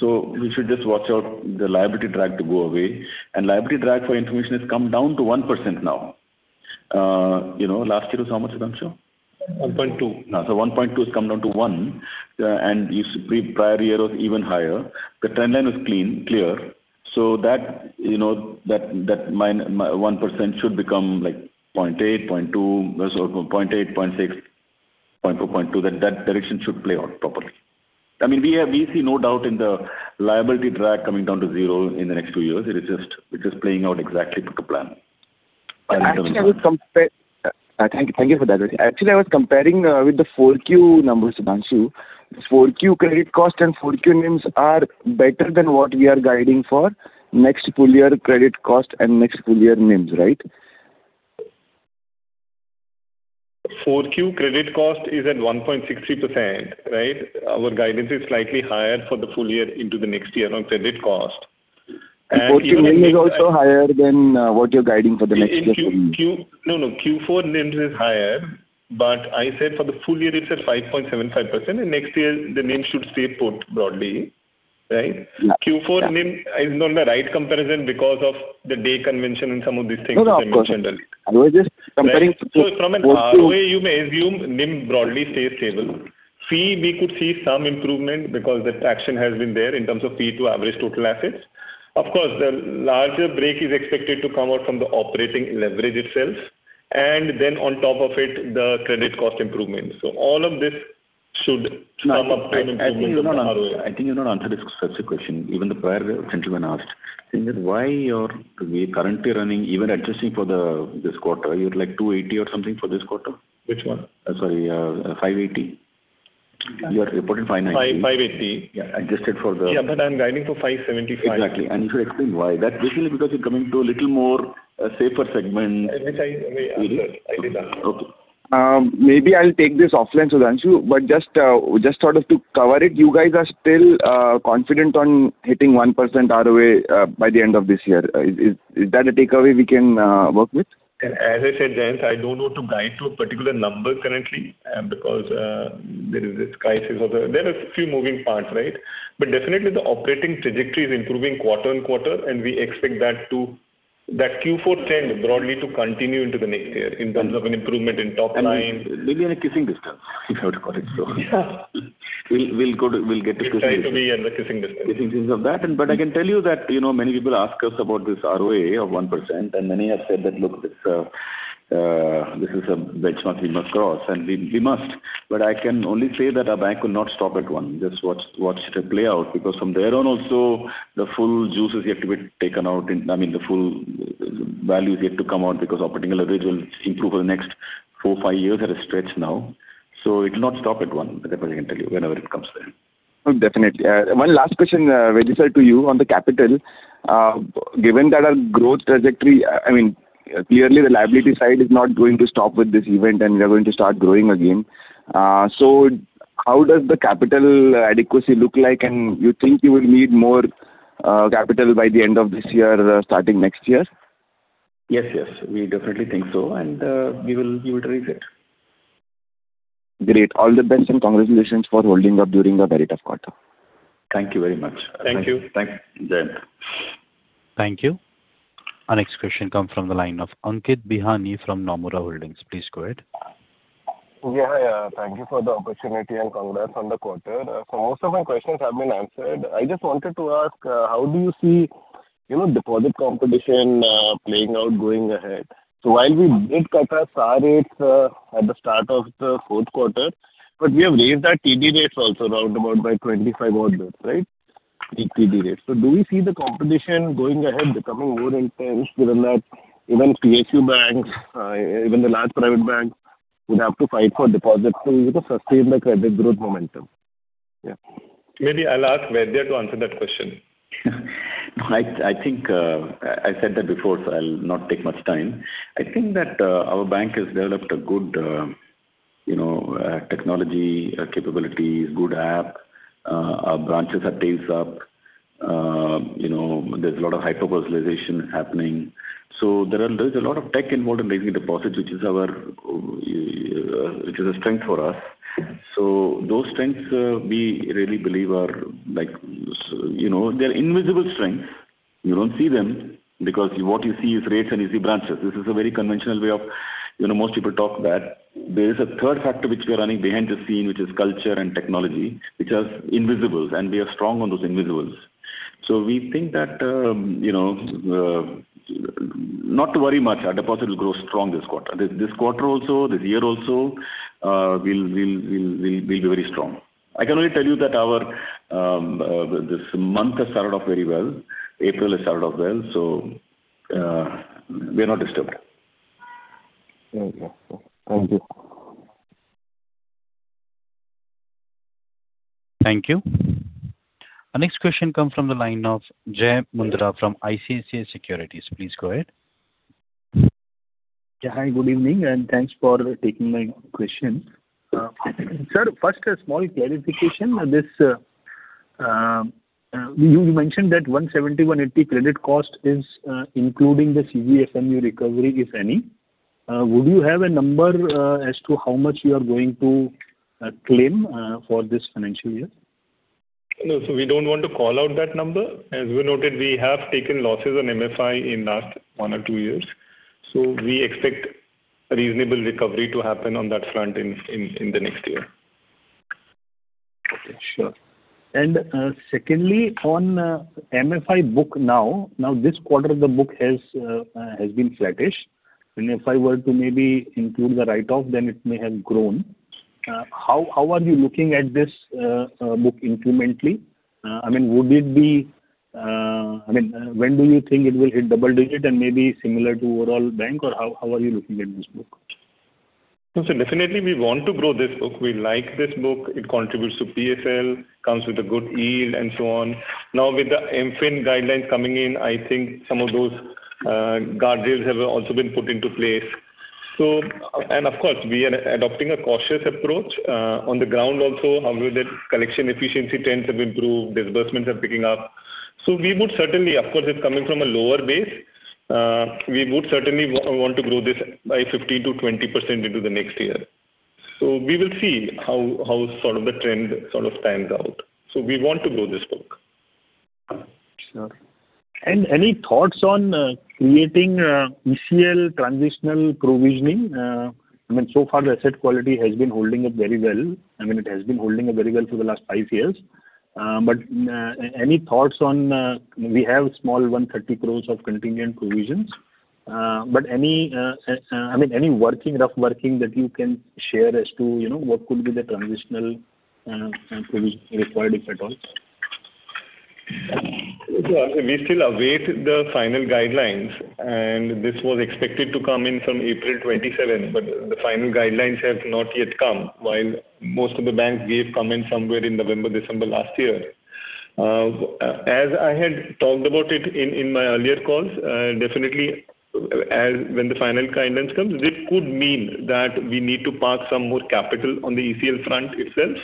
D: We should just watch out the liability drag to go away. Liability drag for information has come down to 1% now. You know, last year it was how much, Sudhanshu?
C: 1.2%.
D: 1.2% has come down to 1%. Prior year was even higher. The trend line is clean, clear, you know, that 1% should become like 0.8%, 0.2%. 0.8%, 0.6%, 0.4%, 0.2%. That direction should play out properly. I mean, we have, we see no doubt in the liability drag coming down to 0% in the next two years. It is just playing out exactly per the plan.
H: Actually, thank you for that. Actually, I was comparing with the 4Q numbers, Sudhanshu. 4Q credit cost and 4Q NIMs are better than what we are guiding for next full year credit cost and next full year NIMs, right?
C: 4Q credit cost is at 1.63%, right? Our guidance is slightly higher for the full year into the next year on credit cost.
H: 4Q NIM is also higher than what you're guiding for the next year?
C: Q4 NIMs is higher, but I said for the full year it's at 5.75%, and next year the NIM should stay put broadly, right?
D: Yeah.
C: Q4 NIM is not the right comparison because of the day convention and some of these things which I mentioned earlier.
H: No, no. Of course. I was just comparing to the 4Q.
C: From an ROE, you may assume NIM broadly stays stable. Fee, we could see some improvement because the traction has been there in terms of fee to average total assets. Of course, the larger break is expected to come out from the operating leverage itself, and then on top of it, the credit cost improvements. All of this should come up to an improvement of the ROE.
H: No, I think you've not answered this such a question. Even the prior gentleman asked. I think that's why you're currently running even adjusting for this quarter. You're like 280 or something for this quarter.
C: Which one?
H: Sorry, 580. You have reported 590.
C: 5,580.
H: Yeah. Adjusted for.
C: Yeah, I'm guiding for 575.
H: Exactly. If you explain why. That's basically because you're coming to a little more, safer segment.
C: We answered. I did answer.
D: Okay.
H: Maybe I'll take this offline, Sudhanshu, but just sort of to cover it, you guys are still confident on hitting 1% ROE by the end of this year. Is that a takeaway we can work with?
C: As I said, Jayant, I don't want to guide to a particular number currently, because there are a few moving parts, right? But definitely the operating trajectory is improving quarter-on-quarter, and we expect that Q4 trend broadly to continue into the next year in terms of an improvement in top line.
D: We'll be in a kissing distance, if I would call it so.
C: Yeah.
D: We'll get to kissing distance.
C: We try to be in the kissing distance.
D: Kissing distance of that. I can tell you that, you know, many people ask us about this ROE of 1%, and many have said that, "Look, this is a benchmark we must cross," and we must. I can only say that our bank will not stop at 1%. Just watch it play out because from there on also the full juices yet to be taken out. I mean, the full value is yet to come out because operating leverage will improve for the next four, five years at a stretch now. It will not stop at 1%. That much I can tell you whenever it comes there.
H: Oh, definitely. One last question, Vaidya to you on the capital. Given that our growth trajectory, I mean, clearly the liability side is not going to stop with this event and we are going to start growing again. How does the capital adequacy look like and you think you will need more capital by the end of this year starting next year?
D: Yes, yes. We definitely think so and we will raise it.
H: Great. All the best and congratulations for holding up during a very tough quarter.
D: Thank you very much.
C: Thank you.
D: Thanks, Jayant.
A: Thank you. Our next question comes from the line of Ankit Bihani from Nomura Holdings. Please go ahead.
I: Yeah. Thank you for the opportunity and congrats on the quarter. Most of my questions have been answered. I just wanted to ask, how do you see, you know, deposit competition, playing out going ahead? While we did cut our SA rates, at the start of the fourth quarter, but we have raised our TD rates also round about by 25 odd basis, right? TD rates. Do we see the competition going ahead becoming more intense given that even PSU banks, even the large private banks would have to fight for deposits so you could sustain the credit growth momentum? Yeah.
C: Maybe I'll ask Vaidya to answer that question.
D: No. I think I said that before. I'll not take much time. I think that our bank has developed a good, you know, technology capabilities, good app. Our branches are scaling up. You know, there's a lot of hyper-personalization happening. There's a lot of tech involved in raising deposits, which is a strength for us. Those strengths we really believe are like, you know, they're invisible strengths. You don't see them because what you see is rates and you see branches. This is a very conventional way of, you know, most people talk that. There is a third factor which we are running behind the scenes, which is culture and technology, which are invisibles, and we are strong on those invisibles. We think that, you know, not to worry much. Our deposits will grow strong this quarter. This quarter also, this year also, we'll be very strong. I can only tell you that this month has started off very well. April has started off well. We are not disturbed.
I: Okay. Thank you.
A: Thank you. Our next question comes from the line of Jai Mundhra from ICICI Securities. Please go ahead.
J: Yeah. Hi, good evening, and thanks for taking my question. Sir, first a small clarification. This, you mentioned that 170-180 credit cost is including the CGFMU recovery, if any. Would you have a number as to how much you are going to claim for this financial year?
C: No. We don't want to call out that number. As we noted, we have taken losses on MFI in last one or two years. We expect reasonable recovery to happen on that front in the next year.
J: Okay. Sure. Secondly, on MFI book now. This quarter the book has been flattish. If I were to maybe include the write-off, then it may have grown. How are you looking at this book incrementally? I mean, when do you think it will hit double digit and maybe similar to overall bank or how are you looking at this book?
C: Definitely we want to grow this book. We like this book. It contributes to PSL, comes with a good yield and so on. Now, with the MFIN guidelines coming in, I think some of those, guardrails have also been put into place. We are adopting a cautious approach, on the ground. Also, collection efficiency trends have improved, disbursements are picking up. We would certainly. Of course, it's coming from a lower base. We would certainly want to grow this by 15%-20% into the next year. We will see how sort of the trend sort of pans out. We want to grow this book.
J: Sure. Any thoughts on creating ECL transitional provisioning? I mean, so far the asset quality has been holding up very well. I mean, it has been holding up very well for the last five years. Any thoughts on we have small 130 crore of contingent provisions, but I mean, any working, rough working that you can share as to, you know, what could be the transitional provision required, if at all?
C: We still await the final guidelines, and this was expected to come in from April 27, but the final guidelines have not yet come. While most of the banks gave comments somewhere in November, December last year. As I had talked about it in my earlier calls, definitely as when the final guidance comes, this could mean that we need to park some more capital on the ECL front itself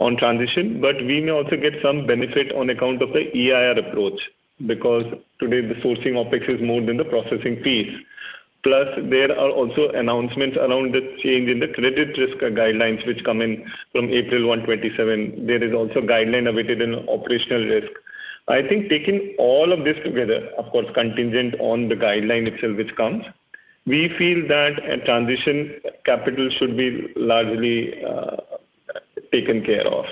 C: on transition, but we may also get some benefit on account of the EIR approach, because today the sourcing OpEx is more than the processing fees. Plus there are also announcements around the change in the credit risk guidelines which come in from April 1, 2027. There is also guideline awaited in operational risk. I think taking all of this together, of course contingent on the guideline itself which comes, we feel that a transition capital should be largely taken care of.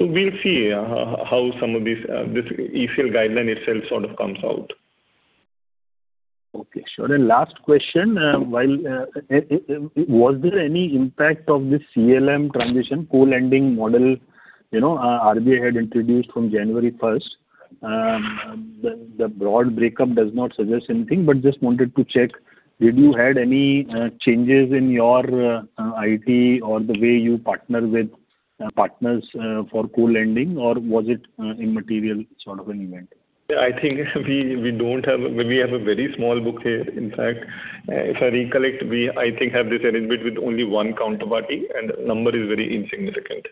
C: We'll see how some of these, this ECL guideline itself sort of comes out.
J: Okay, sure. Last question. While was there any impact of this CLM transition, co-lending model? You know, RBI had introduced from January 1st, the broad breakup does not suggest anything, but just wanted to check, did you had any changes in your IT or the way you partner with partners for co-lending or was it immaterial sort of an event?
C: I think we have a very small book here. In fact, if I recollect, I think we have this arrangement with only one counterparty and number is very insignificant.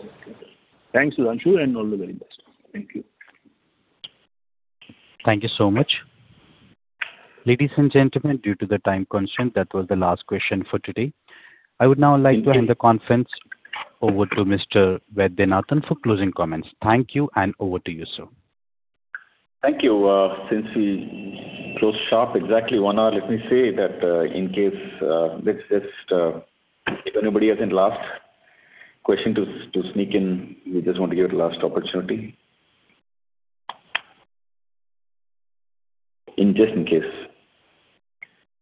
J: Okay. Thanks, Sudhanshu, and all the very best. Thank you.
A: Thank you so much. Ladies and gentlemen, due to the time constraint, that was the last question for today. I would now like to hand the conference over to Mr. Vaidyanathan for closing comments. Thank you and over to you, sir.
D: Thank you. Since we closed shop exactly one hour, let me say that if anybody has any last question to sneak in, we just want to give it a last opportunity. Just in case.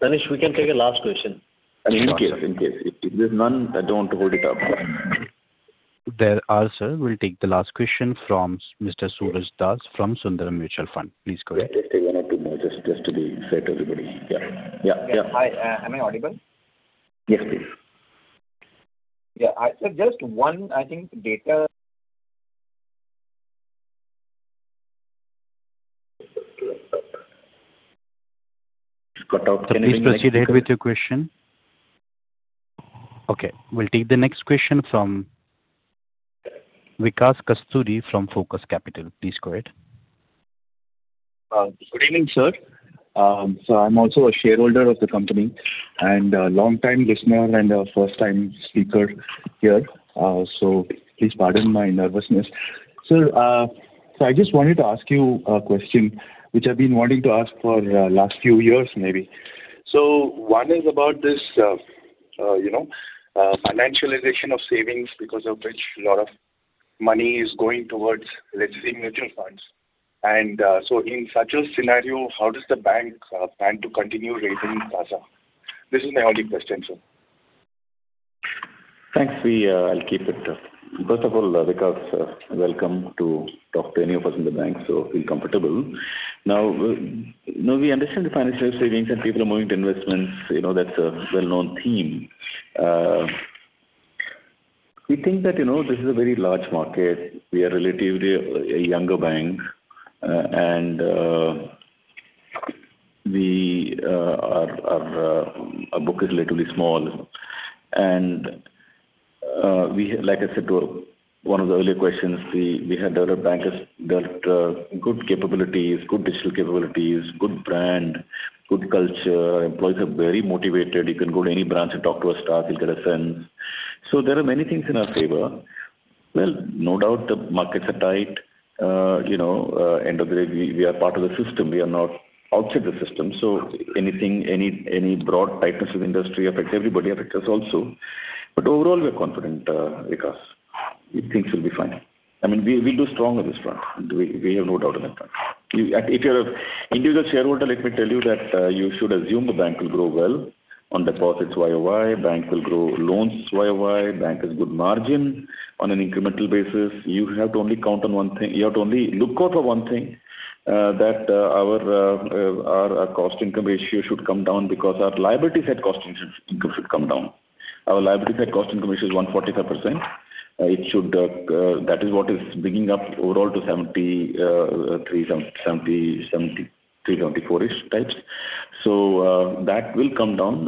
B: Danish, we can take a last question.
D: I mean, in case. If there's none, I don't want to hold it up.
A: There are, sir. We'll take the last question from Mr. Suraj Das from Sundaram Mutual Fund. Please go ahead.
D: Let's take one or two more just to be fair to everybody. Yeah. Yeah. Yeah. [crosstalk]
K: Hi. Am I audible?
D: Yes, please.
K: Yeah. Sir, just one, I think, data.
D: It got cut.
A: Sir, please proceed ahead with your question. Okay, we'll take the next question from Vikas Kasturi from Focus Capital. Please go ahead.
L: Good evening, sir. I'm also a shareholder of the company and a long time listener and a first time speaker here. Please pardon my nervousness. Sir, I just wanted to ask you a question which I've been wanting to ask for last few years maybe. One is about this, you know, financialization of savings because of which a lot of money is going towards, let's say, mutual funds. In such a scenario, how does the bank plan to continue raising CASA? This is my only question, sir.
D: Thanks. I'll keep it. First of all, Vikas, feel welcome to talk to any of us in the bank, so feel comfortable. Now we understand the financial savings and people are moving to investments. You know, that's a well-known theme. We think that, you know, this is a very large market. We are relatively a younger bank, and our book is relatively small and, as I said to one of the earlier questions, we built good capabilities, good digital capabilities, good brand, good culture. Employees are very motivated. You can go to any branch and talk to a staff, you'll get a sense. There are many things in our favor. Well, no doubt the markets are tight. You know, end of the day, we are part of the system. We are not outside the system. Anything, any broad tightness of industry affects everybody, affects us also. Overall, we are confident, Vikas, things will be fine. I mean, we do strong in this front. We have no doubt on that front. If you're an individual shareholder, let me tell you that, you should assume the bank will grow well on deposits YOY, bank will grow loans YOY, bank has good margin on an incremental basis. You have to only count on one thing. You have to only look out for one thing, that our cost income ratio should come down because our liability side cost income should come down. Our liability side cost income ratio is 145%. It should, that is what is bringing up overall to 73-74-ish types. That will come down.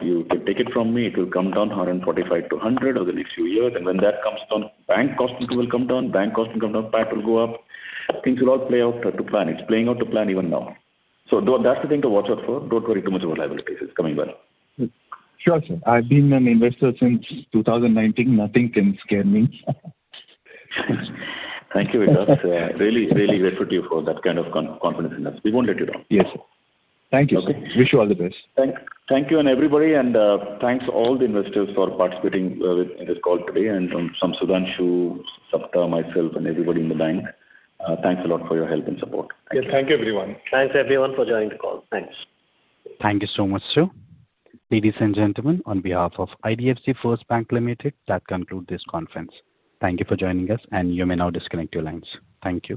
D: You take it from me, it will come down 145-100 over the next few years. When that comes down, bank cost income will come down. Bank cost income down, PAT will go up. Things will all play out to plan. It's playing out to plan even now. That's the thing to watch out for. Don't worry too much about liabilities. It's coming well.
L: Sure, sir. I've been an investor since 2019. Nothing can scare me.
D: Thank you, Vikas. Really grateful to you for that kind of confidence in us. We won't let you down.
L: Yes, sir. Thank you, sir.
D: Okay.
L: Wish you all the best.
D: Thank you and everybody, thanks all the investors for participating within this call today. From Sudhanshu, Saptarshi, myself and everybody in the bank, thanks a lot for your help and support. Thank you.
C: Yes. Thank you everyone.
B: Thanks everyone for joining the call. Thanks.
A: Thank you so much, sir. Ladies and gentlemen, on behalf of IDFC First Bank Limited, that concludes this conference. Thank you for joining us and you may now disconnect your lines. Thank you.